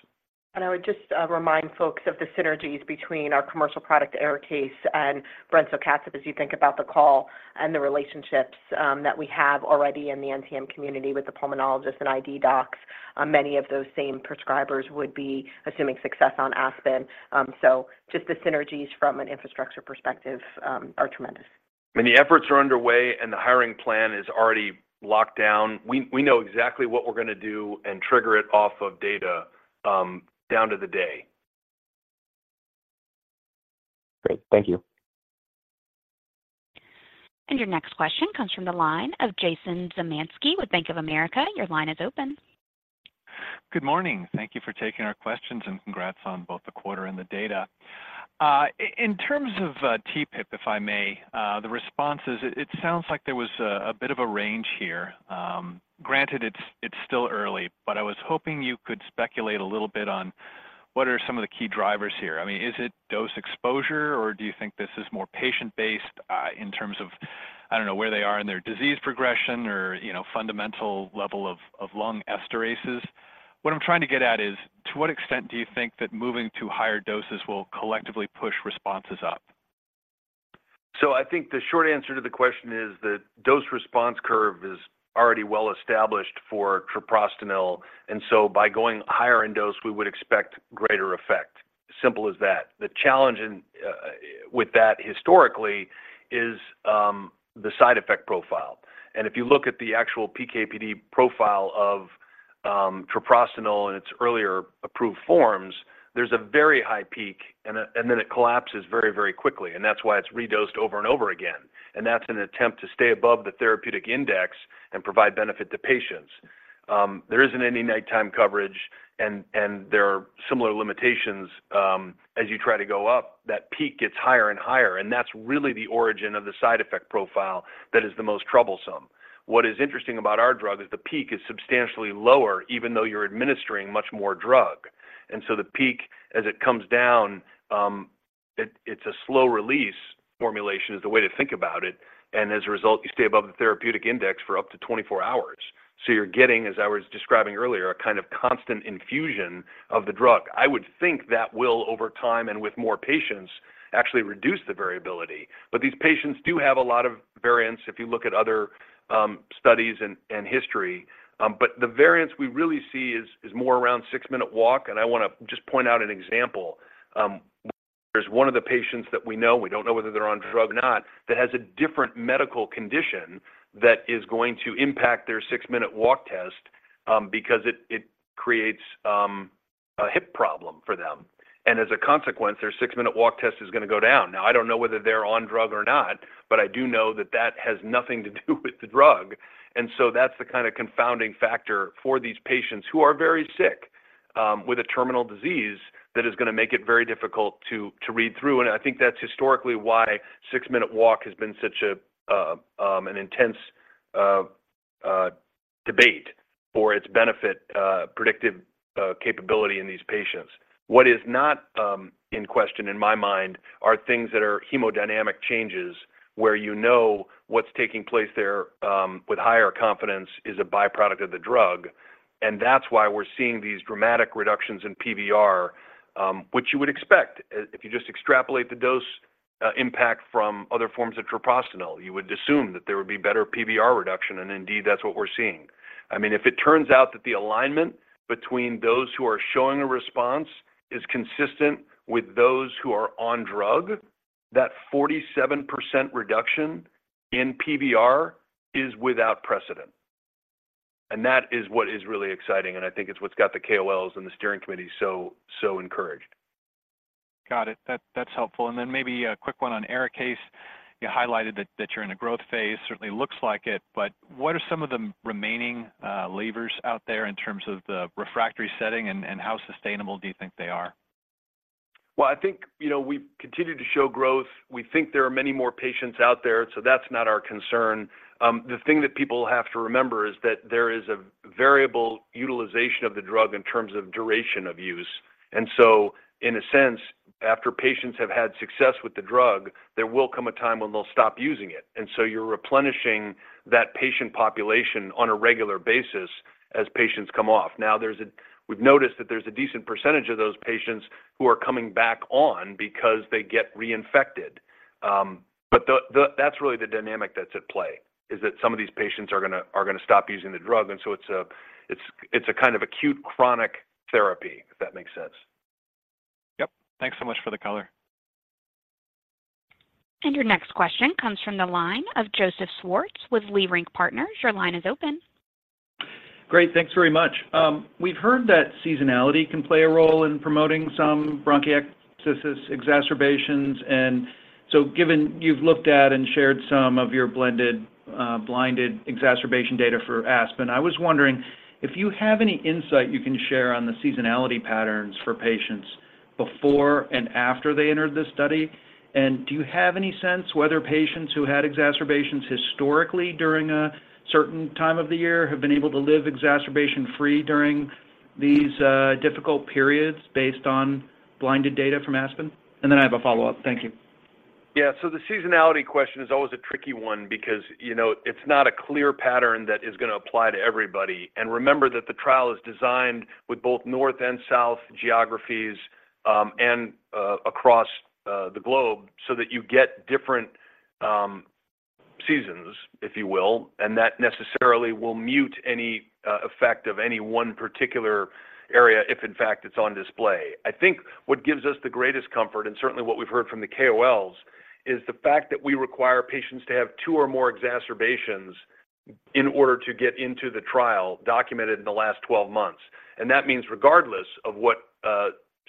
I would just remind folks of the synergies between our commercial product, ARIKAYCE and brensocatib as you think about the call and the relationships that we have already in the NTM community with the pulmonologist and ID docs. Many of those same prescribers would be assuming success on ASPEN. Just the synergies from an infrastructure perspective are tremendous. The efforts are underway, and the hiring plan is already locked down. We know exactly what we're gonna do and trigger it off of data, down to the day. Great. Thank you. Your next question comes from the line of Jason Zemansky with Bank of America. Your line is open. Good morning. Thank you for taking our questions, and congrats on both the quarter and the data. In terms of TPIP, if I may, the responses, it sounds like there was a bit of a range here. Granted, it's still early, but I was hoping you could speculate a little bit on what are some of the key drivers here. I mean, is it dose exposure, or do you think this is more patient-based in terms of, I don't know, where they are in their disease progression or fundamental level of lung esterases? What I'm trying to get at is, to what extent do you think that moving to higher doses will collectively push responses up? So I think the short answer to the question is that dose response curve is already well established for treprostinil, and so by going higher in dose, we would expect greater effect. Simple as that. The challenge in with that historically is the side effect profile. And if you look at the actual PK/PD profile of treprostinil in its earlier approved forms, there's a very high peak, and then, and then it collapses very, very quickly, and that's why it's redosed over and over again. And that's an attempt to stay above the therapeutic index and provide benefit to patients. There isn't any nighttime coverage, and there are similar limitations as you try to go up, that peak gets higher and higher, and that's really the origin of the side effect profile that is the most troublesome. What is interesting about our drug is the peak is substantially lower, even though you're administering much more drug. And so the peak, as it comes down, it's a slow-release formulation, is the way to think about it, and as a result, you stay above the therapeutic index for up to 24 hours. So you're getting, as I was describing earlier, a kind of constant infusion of the drug. I would think that will, over time and with more patients, actually reduce the variability. But these patients do have a lot of variance if you look at other studies and history. But the variance we really see is more around six-minute walk, and I wanna just point out an example. There's one of the patients that we know, we don't know whether they're on drug or not, that has a different medical condition that is going to impact their six-minute walk test, because it creates a hip problem for them. And as a consequence, their six-minute walk test is gonna go down. Now, I don't know whether they're on drug or not, but I do know that that has nothing to do with the drug. And so that's the kind of confounding factor for these patients who are very sick with a terminal disease, that is gonna make it very difficult to read through. And I think that's historically why six-minute walk has been such an intense debate for its benefit predictive capability in these patients. What is not in question in my mind are things that are hemodynamic changes where what's taking place there with higher confidence is a byproduct of the drug, and that's why we're seeing these dramatic reductions in PVR, which you would expect. If you just extrapolate the dose impact from other forms of treprostinil, you would assume that there would be better PVR reduction, and indeed, that's what we're seeing. I mean, if it turns out that the alignment between those who are showing a response is consistent with those who are on drug, that 47% reduction in PVR is without precedent. And that is what is really exciting, and I think it's what's got the KOLs and the steering committee so, so encouraged. Got it. That, that's helpful. And then maybe a quick one on ARIKAYCE. You highlighted that, that you're in a growth phase, certainly looks like it, but what are some of the remaining, levers out there in terms of the refractory setting, and, and how sustainable do you think they are? Well, I think we've continued to show growth. We think there are many more patients out there, so that's not our concern. The thing that people have to remember is that there is a variable utilization of the drug in terms of duration of use. And so, in a sense, after patients have had success with the drug, there will come a time when they'll stop using it. And so you're replenishing that patient population on a regular basis as patients come off. Now, we've noticed that there's a decent percentage of those patients who are coming back on because they get reinfected. But that's really the dynamic that's at play, is that some of these patients are gonna stop using the drug, and so it's a kind of acute chronic therapy, if that makes sense. Yep. Thanks so much for the color. Your next question comes from the line of Joseph Schwartz with Leerink Partners. Your line is open. Great, thanks very much. We've heard that seasonality can play a role in promoting some bronchiectasis exacerbations, and so given you've looked at and shared some of your blended, blinded exacerbation data for ASPEN, I was wondering if you have any insight you can share on the seasonality patterns for patients before and after they entered this study? And do you have any sense whether patients who had exacerbations historically during a certain time of the year have been able to live exacerbation-free during these, difficult periods based on blinded data from ASPEN? And then I have a follow-up. Thank you. Yeah. So the seasonality question is always a tricky one because, it's not a clear pattern that is gonna apply to everybody. And remember that the trial is designed with both North and South geographies, and across the globe, so that you get different seasons, if you will, and that necessarily will mute any effect of any one particular area, if in fact, it's on display. I think what gives us the greatest comfort, and certainly what we've heard from the KOLs, is the fact that we require patients to have 2 or more exacerbations in order to get into the trial, documented in the last 12 months. And that means regardless of what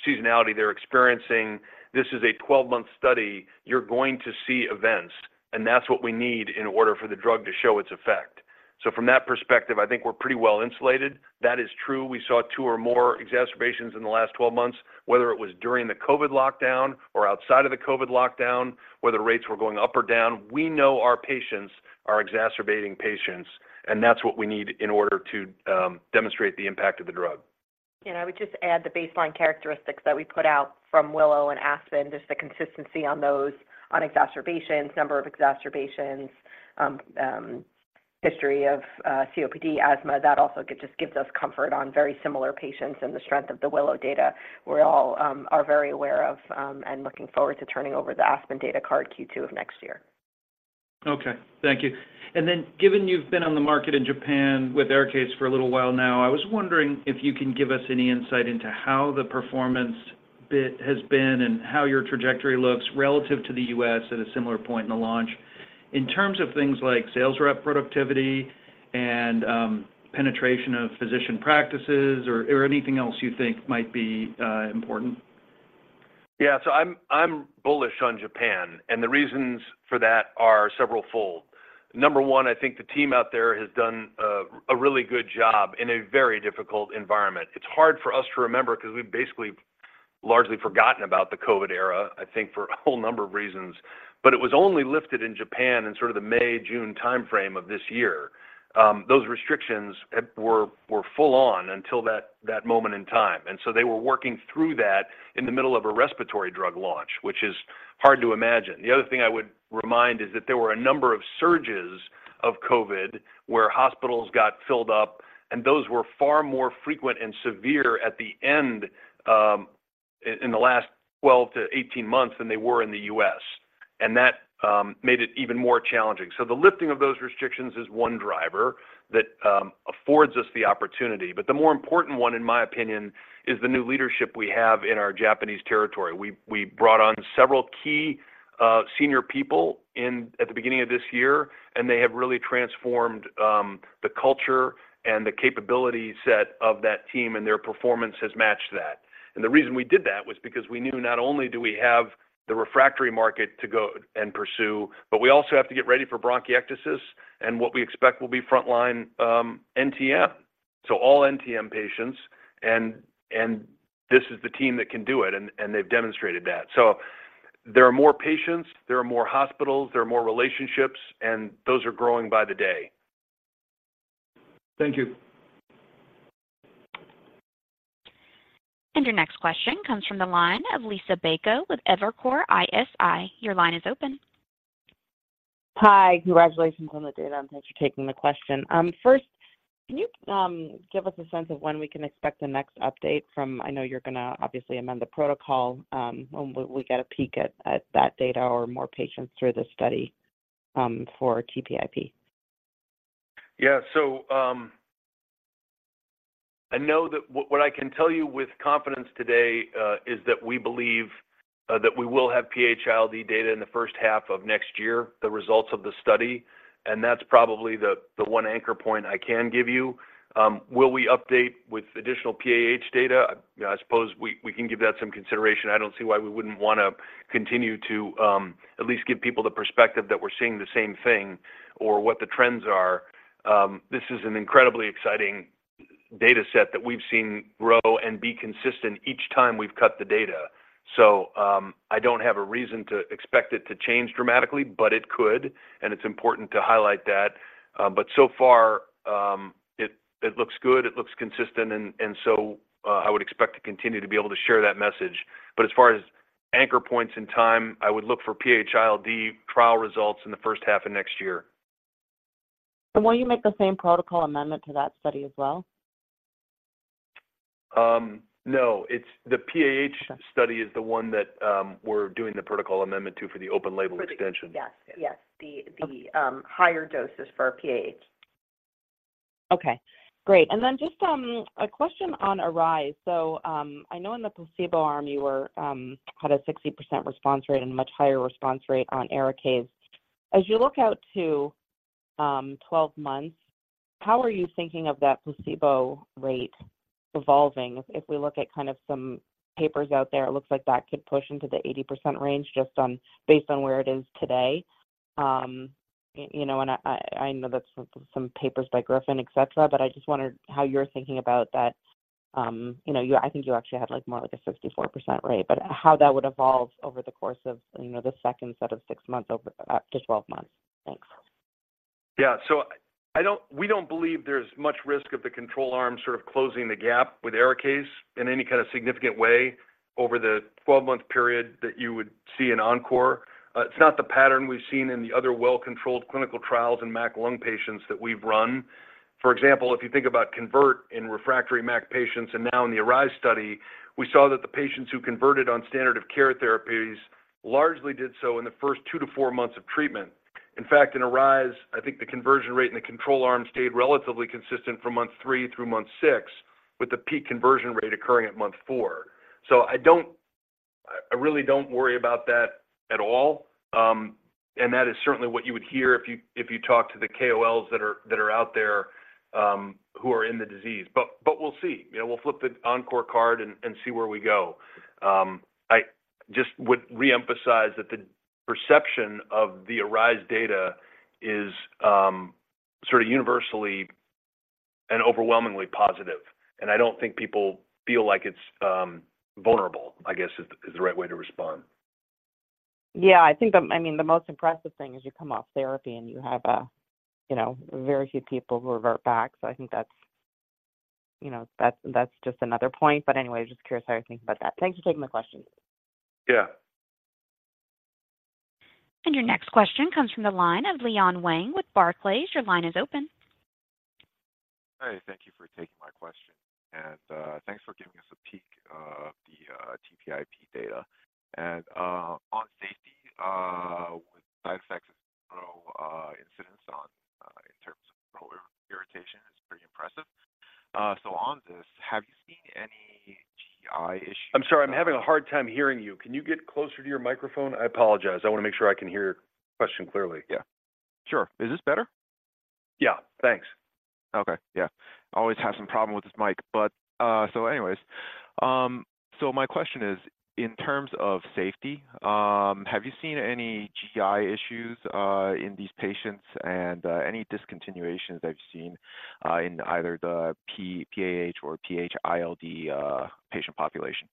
seasonality they're experiencing, this is a 12-month study, you're going to see events, and that's what we need in order for the drug to show its effect. So from that perspective, I think we're pretty well insulated. That is true. We saw two or more exacerbations in the last twelve months, whether it was during the COVID lockdown or outside of the COVID lockdown, whether rates were going up or down, we know our patients are exacerbating patients, and that's what we need in order to demonstrate the impact of the drug. I would just add the baseline characteristics that we put out from WILLOW and ASPEN, just the consistency on those, on exacerbations, number of exacerbations, history of COPD, asthma, that also just gives us comfort on very similar patients and the strength of the WILLOW data we all are very aware of, and looking forward to turning over the ASPEN data card Q2 of next year. Okay. Thank you. Given you've been on the market in Japan with ARIKAYCE for a little while now, I was wondering if you can give us any insight into how the performance bit has been and how your trajectory looks relative to the U.S. at a similar point in the launch, in terms of things like sales rep productivity and, penetration of physician practices or, or anything else you think might be, important? Yeah. So I'm bullish on Japan, and the reasons for that are severalfold. Number one, I think the team out there has done a really good job in a very difficult environment. It's hard for us to remember 'cause we've basically largely forgotten about the COVID era, I think, for a whole number of reasons. But it was only lifted in Japan in sort of the May, June timeframe of this year. Those restrictions were full on until that moment in time, and so they were working through that in the middle of a respiratory drug launch, which is hard to imagine. The other thing I would remind is that there were a number of surges of COVID, where hospitals got filled up, and those were far more frequent and severe at the end, in the last 12-18 months than they were in the U.S., and that made it even more challenging. So the lifting of those restrictions is one driver that affords us the opportunity, but the more important one, in my opinion, is the new leadership we have in our Japanese territory. We brought on several key senior people at the beginning of this year, and they have really transformed the culture and the capability set of that team, and their performance has matched that. The reason we did that was because we knew not only do we have the refractory market to go and pursue, but we also have to get ready for bronchiectasis and what we expect will be frontline NTM. So all NTM patients, and this is the team that can do it, and they've demonstrated that. So there are more patients, there are more hospitals, there are more relationships, and those are growing by the day. Thank you. Your next question comes from the line of Liisa Bayko with Evercore ISI. Your line is open. Hi, congratulations on the data, and thanks for taking the question. First, can you give us a sense of when we can expect the next update from, I know you're gonna obviously amend the protocol, when will we get a peek at that data or more patients through the study, for TPIP? Yeah. So, I know that what, what I can tell you with confidence today, is that we believe, that we will have PAH-ILD data in the first half of next year, the results of the study, and that's probably the, the one anchor point I can give you. Will we update with additional PAH data? I suppose we can give that some consideration. I don't see why we wouldn't wanna continue to, at least give people the perspective that we're seeing the same thing or what the trends are. This is an incredibly exciting data set that we've seen grow and be consistent each time we've cut the data. So, I don't have a reason to expect it to change dramatically, but it could, and it's important to highlight that. But so far, it looks good, it looks consistent, and so, I would expect to continue to be able to share that message. But as far as anchor points in time, I would look for PAH-ILD trial results in the first half of next year. Will you make the same protocol amendment to that study as well? No. It's the PAH study is the one that, we're doing the protocol amendment to for the open label extension. Yes, the higher doses for PAH. Okay, great. And then just a question on ARISE. So, I know in the placebo arm, you had a 60% response rate and a much higher response rate on ARIKAYCE. As you look out to 12 months, how are you thinking of that placebo rate evolving? If we look at kind of some papers out there, it looks like that could push into the 80% range just on, based on where it is today. And I know that's some papers by Griffith, et cetera, but I just wondered how you're thinking about that. I think you actually had, like, more like a 64% rate, but how that would evolve over the course of the second set of six months over to 12 months? Thanks. We don't believe there's much risk of the control arm sort of closing the gap with ARIKAYCE in any kind of significant way over the 12-month period that you would see in ENCORE. It's not the pattern we've seen in the other well-controlled clinical trials in MAC lung patients that we've run. For example, if you think about CONVERT in refractory MAC patients and now in the ARISE study, we saw that the patients who converted on standard of care therapies largely did so in the first 2-4 months of treatment. In fact, in ARISE, I think the conversion rate in the control arm stayed relatively consistent from month 3 through month 6, with the peak conversion rate occurring at month 4. So I really don't worry about that at all. And that is certainly what you would hear if you, if you talk to the KOLs that are, that are out there, who are in the disease. But, but we'll see. We'll flip the ENCORE card and, and see where we go. I just would reemphasize that the perception of the ARISE data is sort of universally and overwhelmingly positive, and I don't think people feel like it's vulnerable, I guess, is the right way to respond. I mean the most impressive thing is you come off therapy, and you have a very few people who revert back. So I think that's just another point, but anyway, just curious how you think about that. Thanks for taking my question. Yeah. Your next question comes from the line of Leon Wang with Barclays. Your line is open. Hi, thank you for taking my question, and thanks for giving us a peek of the TPIP data. On safety, with side effects and throat incidence on in terms of irritation is pretty impressive. So on this, have you seen any GI issues? I'm sorry, I'm having a hard time hearing you. Can you get closer to your microphone? I apologize. I wanna make sure I can hear your question clearly. Yeah, sure. Is this better? Yeah, thanks. Okay, yeah. I always have some problem with this mic, but, so anyways, so my question is, in terms of safety, have you seen any GI issues in these patients and any discontinuations that you've seen in either the PAH or PH-ILD patient population?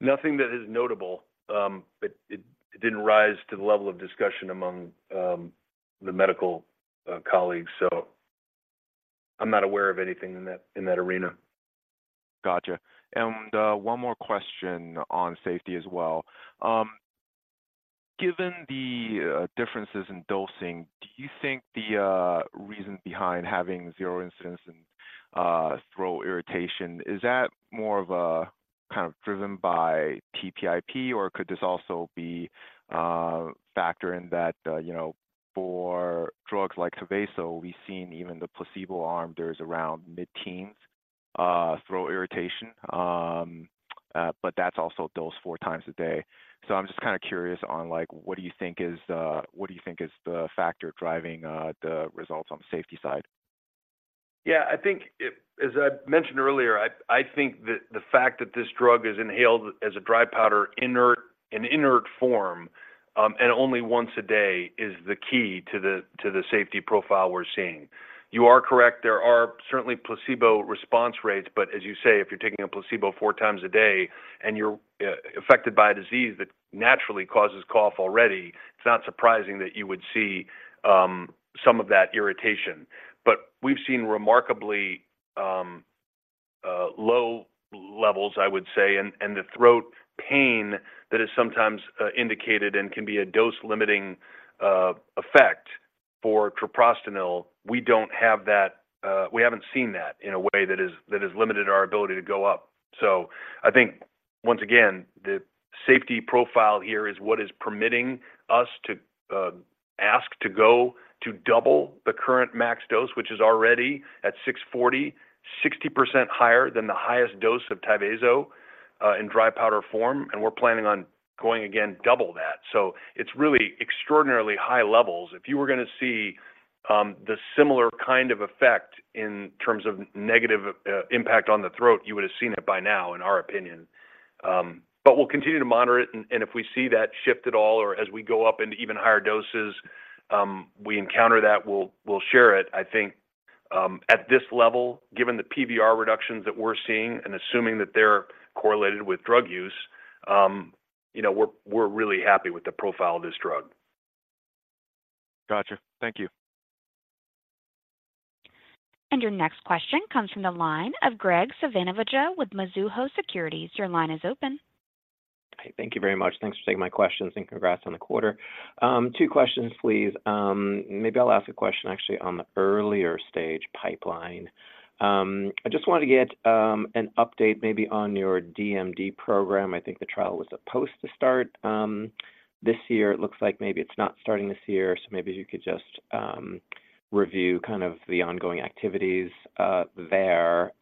Nothing that is notable, but it didn't rise to the level of discussion among the medical colleagues. So I'm not aware of anything in that arena. Gotcha. And, one more question on safety as well. Given the differences in dosing, do you think the reason behind having 0 incidence in throat irritation is that more of a kind of driven by TPIP, or could this also be factor for drugs like Tyvaso, we've seen even the placebo arm, there's around mid-teens throat irritation? But that's also dosed 4 times a day. So I'm just kind of curious on, like, what do you think is the factor driving the results on the safety side? Yeah, I think. As I mentioned earlier, I think that the fact that this drug is inhaled as a dry powder, inert, an inert form, and only once a day, is the key to the safety profile we're seeing. You are correct, there are certainly placebo response rates. But as you say, if you're taking a placebo four times a day and you're affected by a disease that naturally causes cough already, it's not surprising that you would see some of that irritation. But we've seen remarkably low levels, I would say, and the throat pain that is sometimes indicated and can be a dose-limiting effect for treprostinil, we don't have that. We haven't seen that in a way that has limited our ability to go up. Once again, the safety profile here is what is permitting us to ask to go to double the current max dose, which is already at 640, 60% higher than the highest dose of Tyvaso in dry powder form, and we're planning on going again, double that. So it's really extraordinarily high levels. If you were gonna see the similar kind of effect in terms of negative impact on the throat, you would have seen it by now, in our opinion. But we'll continue to monitor it, and if we see that shift at all or as we go up into even higher doses, we encounter that, we'll share it. I think, at this level, given the PVR reductions that we're seeing and assuming that they're correlated with drug use, we're really happy with the profile of this drug. Gotcha. Thank you. Your next question comes from the line of Graig Suvannavejh with Mizuho Securities. Your line is open. Hi. Thank you very much. Thanks for taking my questions, and congrats on the quarter. Two questions, please. Maybe I'll ask a question actually on the earlier stage pipeline. I just wanted to get an update maybe on your DMD program. I think the trial was supposed to start this year. It looks like maybe it's not starting this year, so maybe you could just review kind of the ongoing activities there.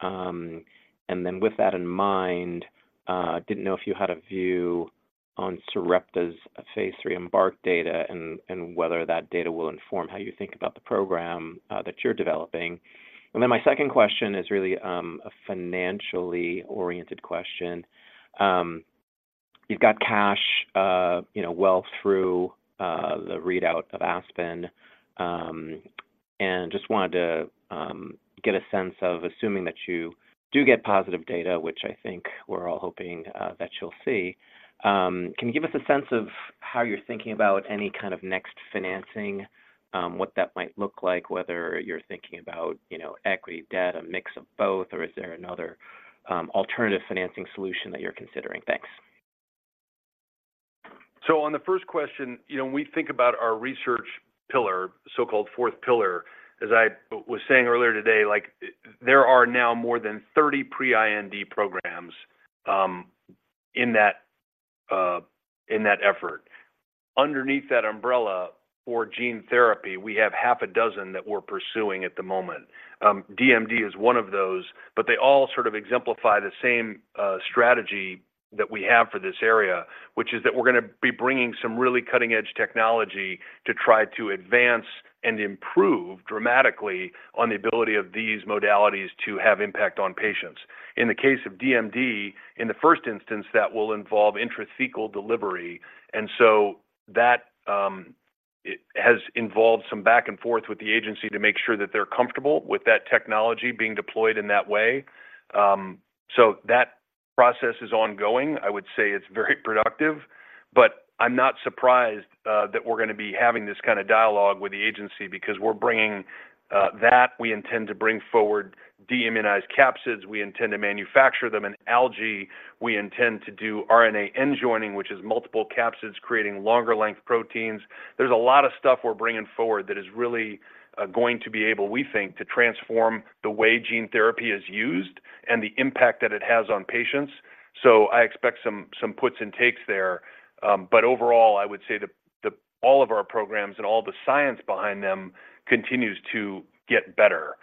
With that in mind, didn't know if you had a view on Sarepta's phase 3 EMBARK data and whether that data will inform how you think about the program that you're developing. And then my second question is really a financially oriented question. You've got cash, well through the readout of ASPEN, and just wanted to get a sense of assuming that you do get positive data, which I think we're all hoping that you'll see. Can you give us a sense of how you're thinking about any kind of next financing, what that might look like, whether you're thinking about equity, debt, a mix of both, or is there another alternative financing solution that you're considering? Thanks. On the first question, when we think about our research pillar, the so-called fourth pillar, as I was saying earlier today, like, there are now more than 30 pre-IND programs in that effort. Underneath that umbrella, for gene therapy, we have half a dozen that we're pursuing at the moment. DMD is one of those, but they all sort of exemplify the same strategy that we have for this area, which is that we're gonna be bringing some really cutting-edge technology to try to advance and improve dramatically on the ability of these modalities to have impact on patients. In the case of DMD, in the first instance, that will involve intrathecal delivery, and so that it has involved some back and forth with the agency to make sure that they're comfortable with that technology being deployed in that way. That process is ongoing. I would say it's very productive, but I'm not surprised that we're gonna be having this kind of dialogue with the agency because we're bringing. We intend to bring forward deimmunized capsids, we intend to manufacture them in algae, we intend to do RNA end joining, which is multiple capsids, creating longer length proteins. There's a lot of stuff we're bringing forward that is really going to be able, we think, to transform the way gene therapy is used and the impact that it has on patients. So I expect some puts and takes there, but overall, I would say the all of our programs and all the science behind them continues to get better.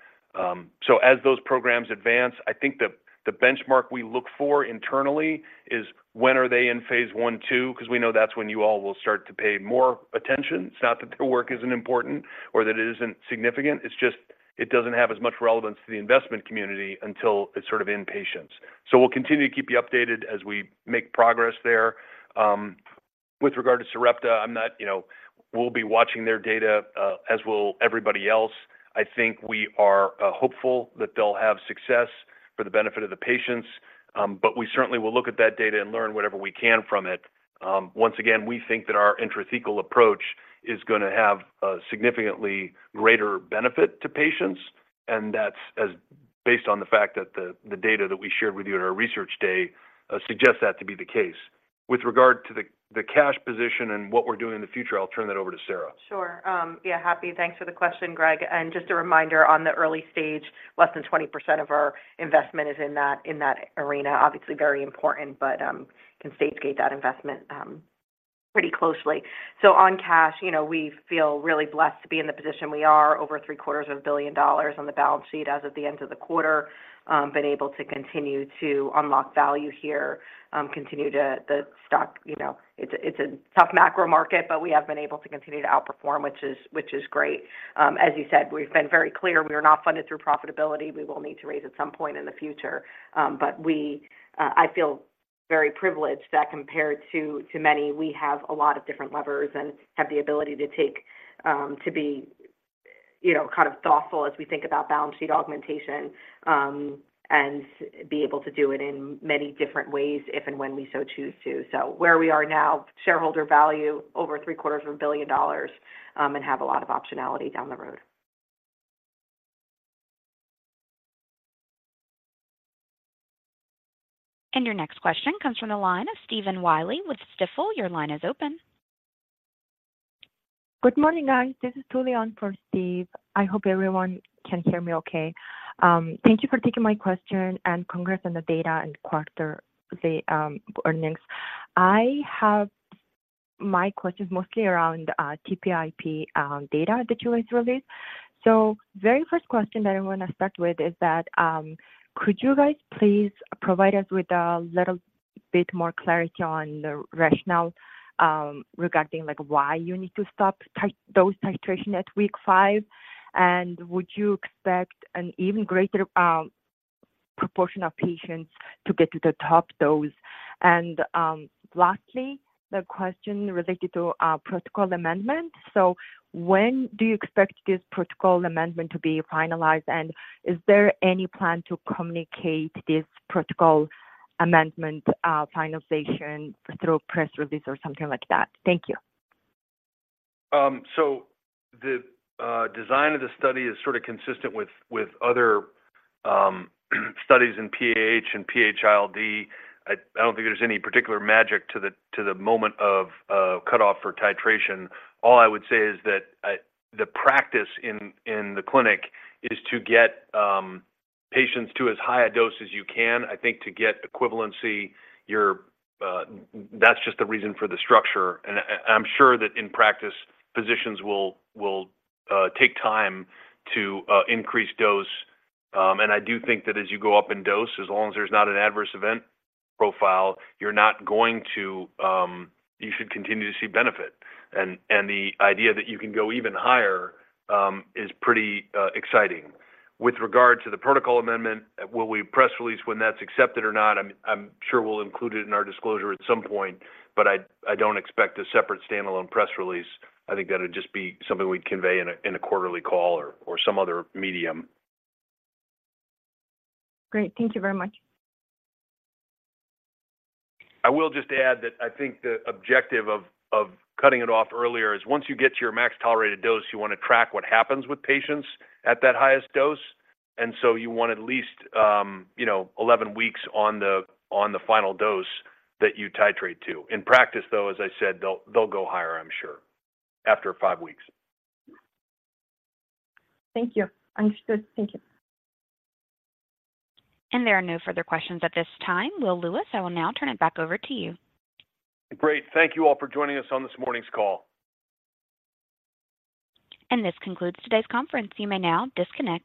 So as those programs advance, I think the benchmark we look for internally is when are they in phase 1, 2? Because we know that's when you all will start to pay more attention. It's not that their work isn't important or that it isn't significant, it's just it doesn't have as much relevance to the investment community until it's sort of in patients. So we'll continue to keep you updated as we make progress there. With regard to Sarepta, we'll be watching their data, as will everybody else. I think we are hopeful that they'll have success for the benefit of the patients, but we certainly will look at that data and learn whatever we can from it. Once again, we think that our intrathecal approach is gonna have a significantly greater benefit to patients, and that's as based on the fact that the data that we shared with you at our research day suggests that to be the case. With regard to the cash position and what we're doing in the future, I'll turn that over to Sara. Sure. Yeah, happy. Thanks for the question, Graig. And just a reminder, on the early stage, less than 20% of our investment is in that arena. Obviously, very important, but, can stage gate that investment, pretty closely. So on cash, we feel really blessed to be in the position we are, $750 million on the balance sheet as of the end of the quarter. Been able to continue to unlock value here, continue to the stock, it's a tough macro market, but we have been able to continue to outperform, which is great. As you said, we've been very clear we are not funded through profitability. We will need to raise at some point in the future. I feel very privileged that compared to many, we have a lot of different levers and have the ability to take to be kind of thoughtful as we think about balance sheet augmentation, and be able to do it in many different ways if and when we so choose to. So where we are now, shareholder value over $750 million, and have a lot of optionality down the road. Your next question comes from the line of Stephen Willey with Stifel. Your line is open. Good morning, guys. This is Julian for Steve. I hope everyone can hear me okay. Thank you for taking my question, and congrats on the data and quarter, the earnings. My question is mostly around TPIP data that you guys released. So very first question that I want to start with is that could you guys please provide us with a little bit more clarity on the rationale regarding, like, why you need to stop the titration at week five? And would you expect an even greater proportion of patients to get to the top dose? And lastly, the question related to protocol amendment. So when do you expect this protocol amendment to be finalized, and is there any plan to communicate this protocol amendment finalization through a press release or something like that? Thank you. So the design of the study is sort of consistent with other studies in PAH and PH-ILD. I don't think there's any particular magic to the moment of cutoff for titration. All I would say is that the practice in the clinic is to get patients to as high a dose as you can. I think to get equivalency, you're, that's just the reason for the structure. And I'm sure that in practice, physicians will take time to increase dose. And I do think that as you go up in dose, as long as there's not an adverse event profile, you're not going to, you should continue to see benefit. The idea that you can go even higher is pretty exciting. With regard to the protocol amendment, will we press release when that's accepted or not? I'm sure we'll include it in our disclosure at some point, but I don't expect a separate standalone press release. I think that'd just be something we'd convey in a quarterly call or some other medium. Great. Thank you very much. I will just add that I think the objective of cutting it off earlier is once you get to your max tolerated dose, you want to track what happens with patients at that highest dose. And so you want at least 11 weeks on the final dose that you titrate to. In practice, though, as I said, they'll go higher, I'm sure, after 5 weeks. Thank you. Understood. Thank you. There are no further questions at this time. Will Lewis, I will now turn it back over to you. Great. Thank you all for joining us on this morning's call. This concludes today's conference. You may now disconnect.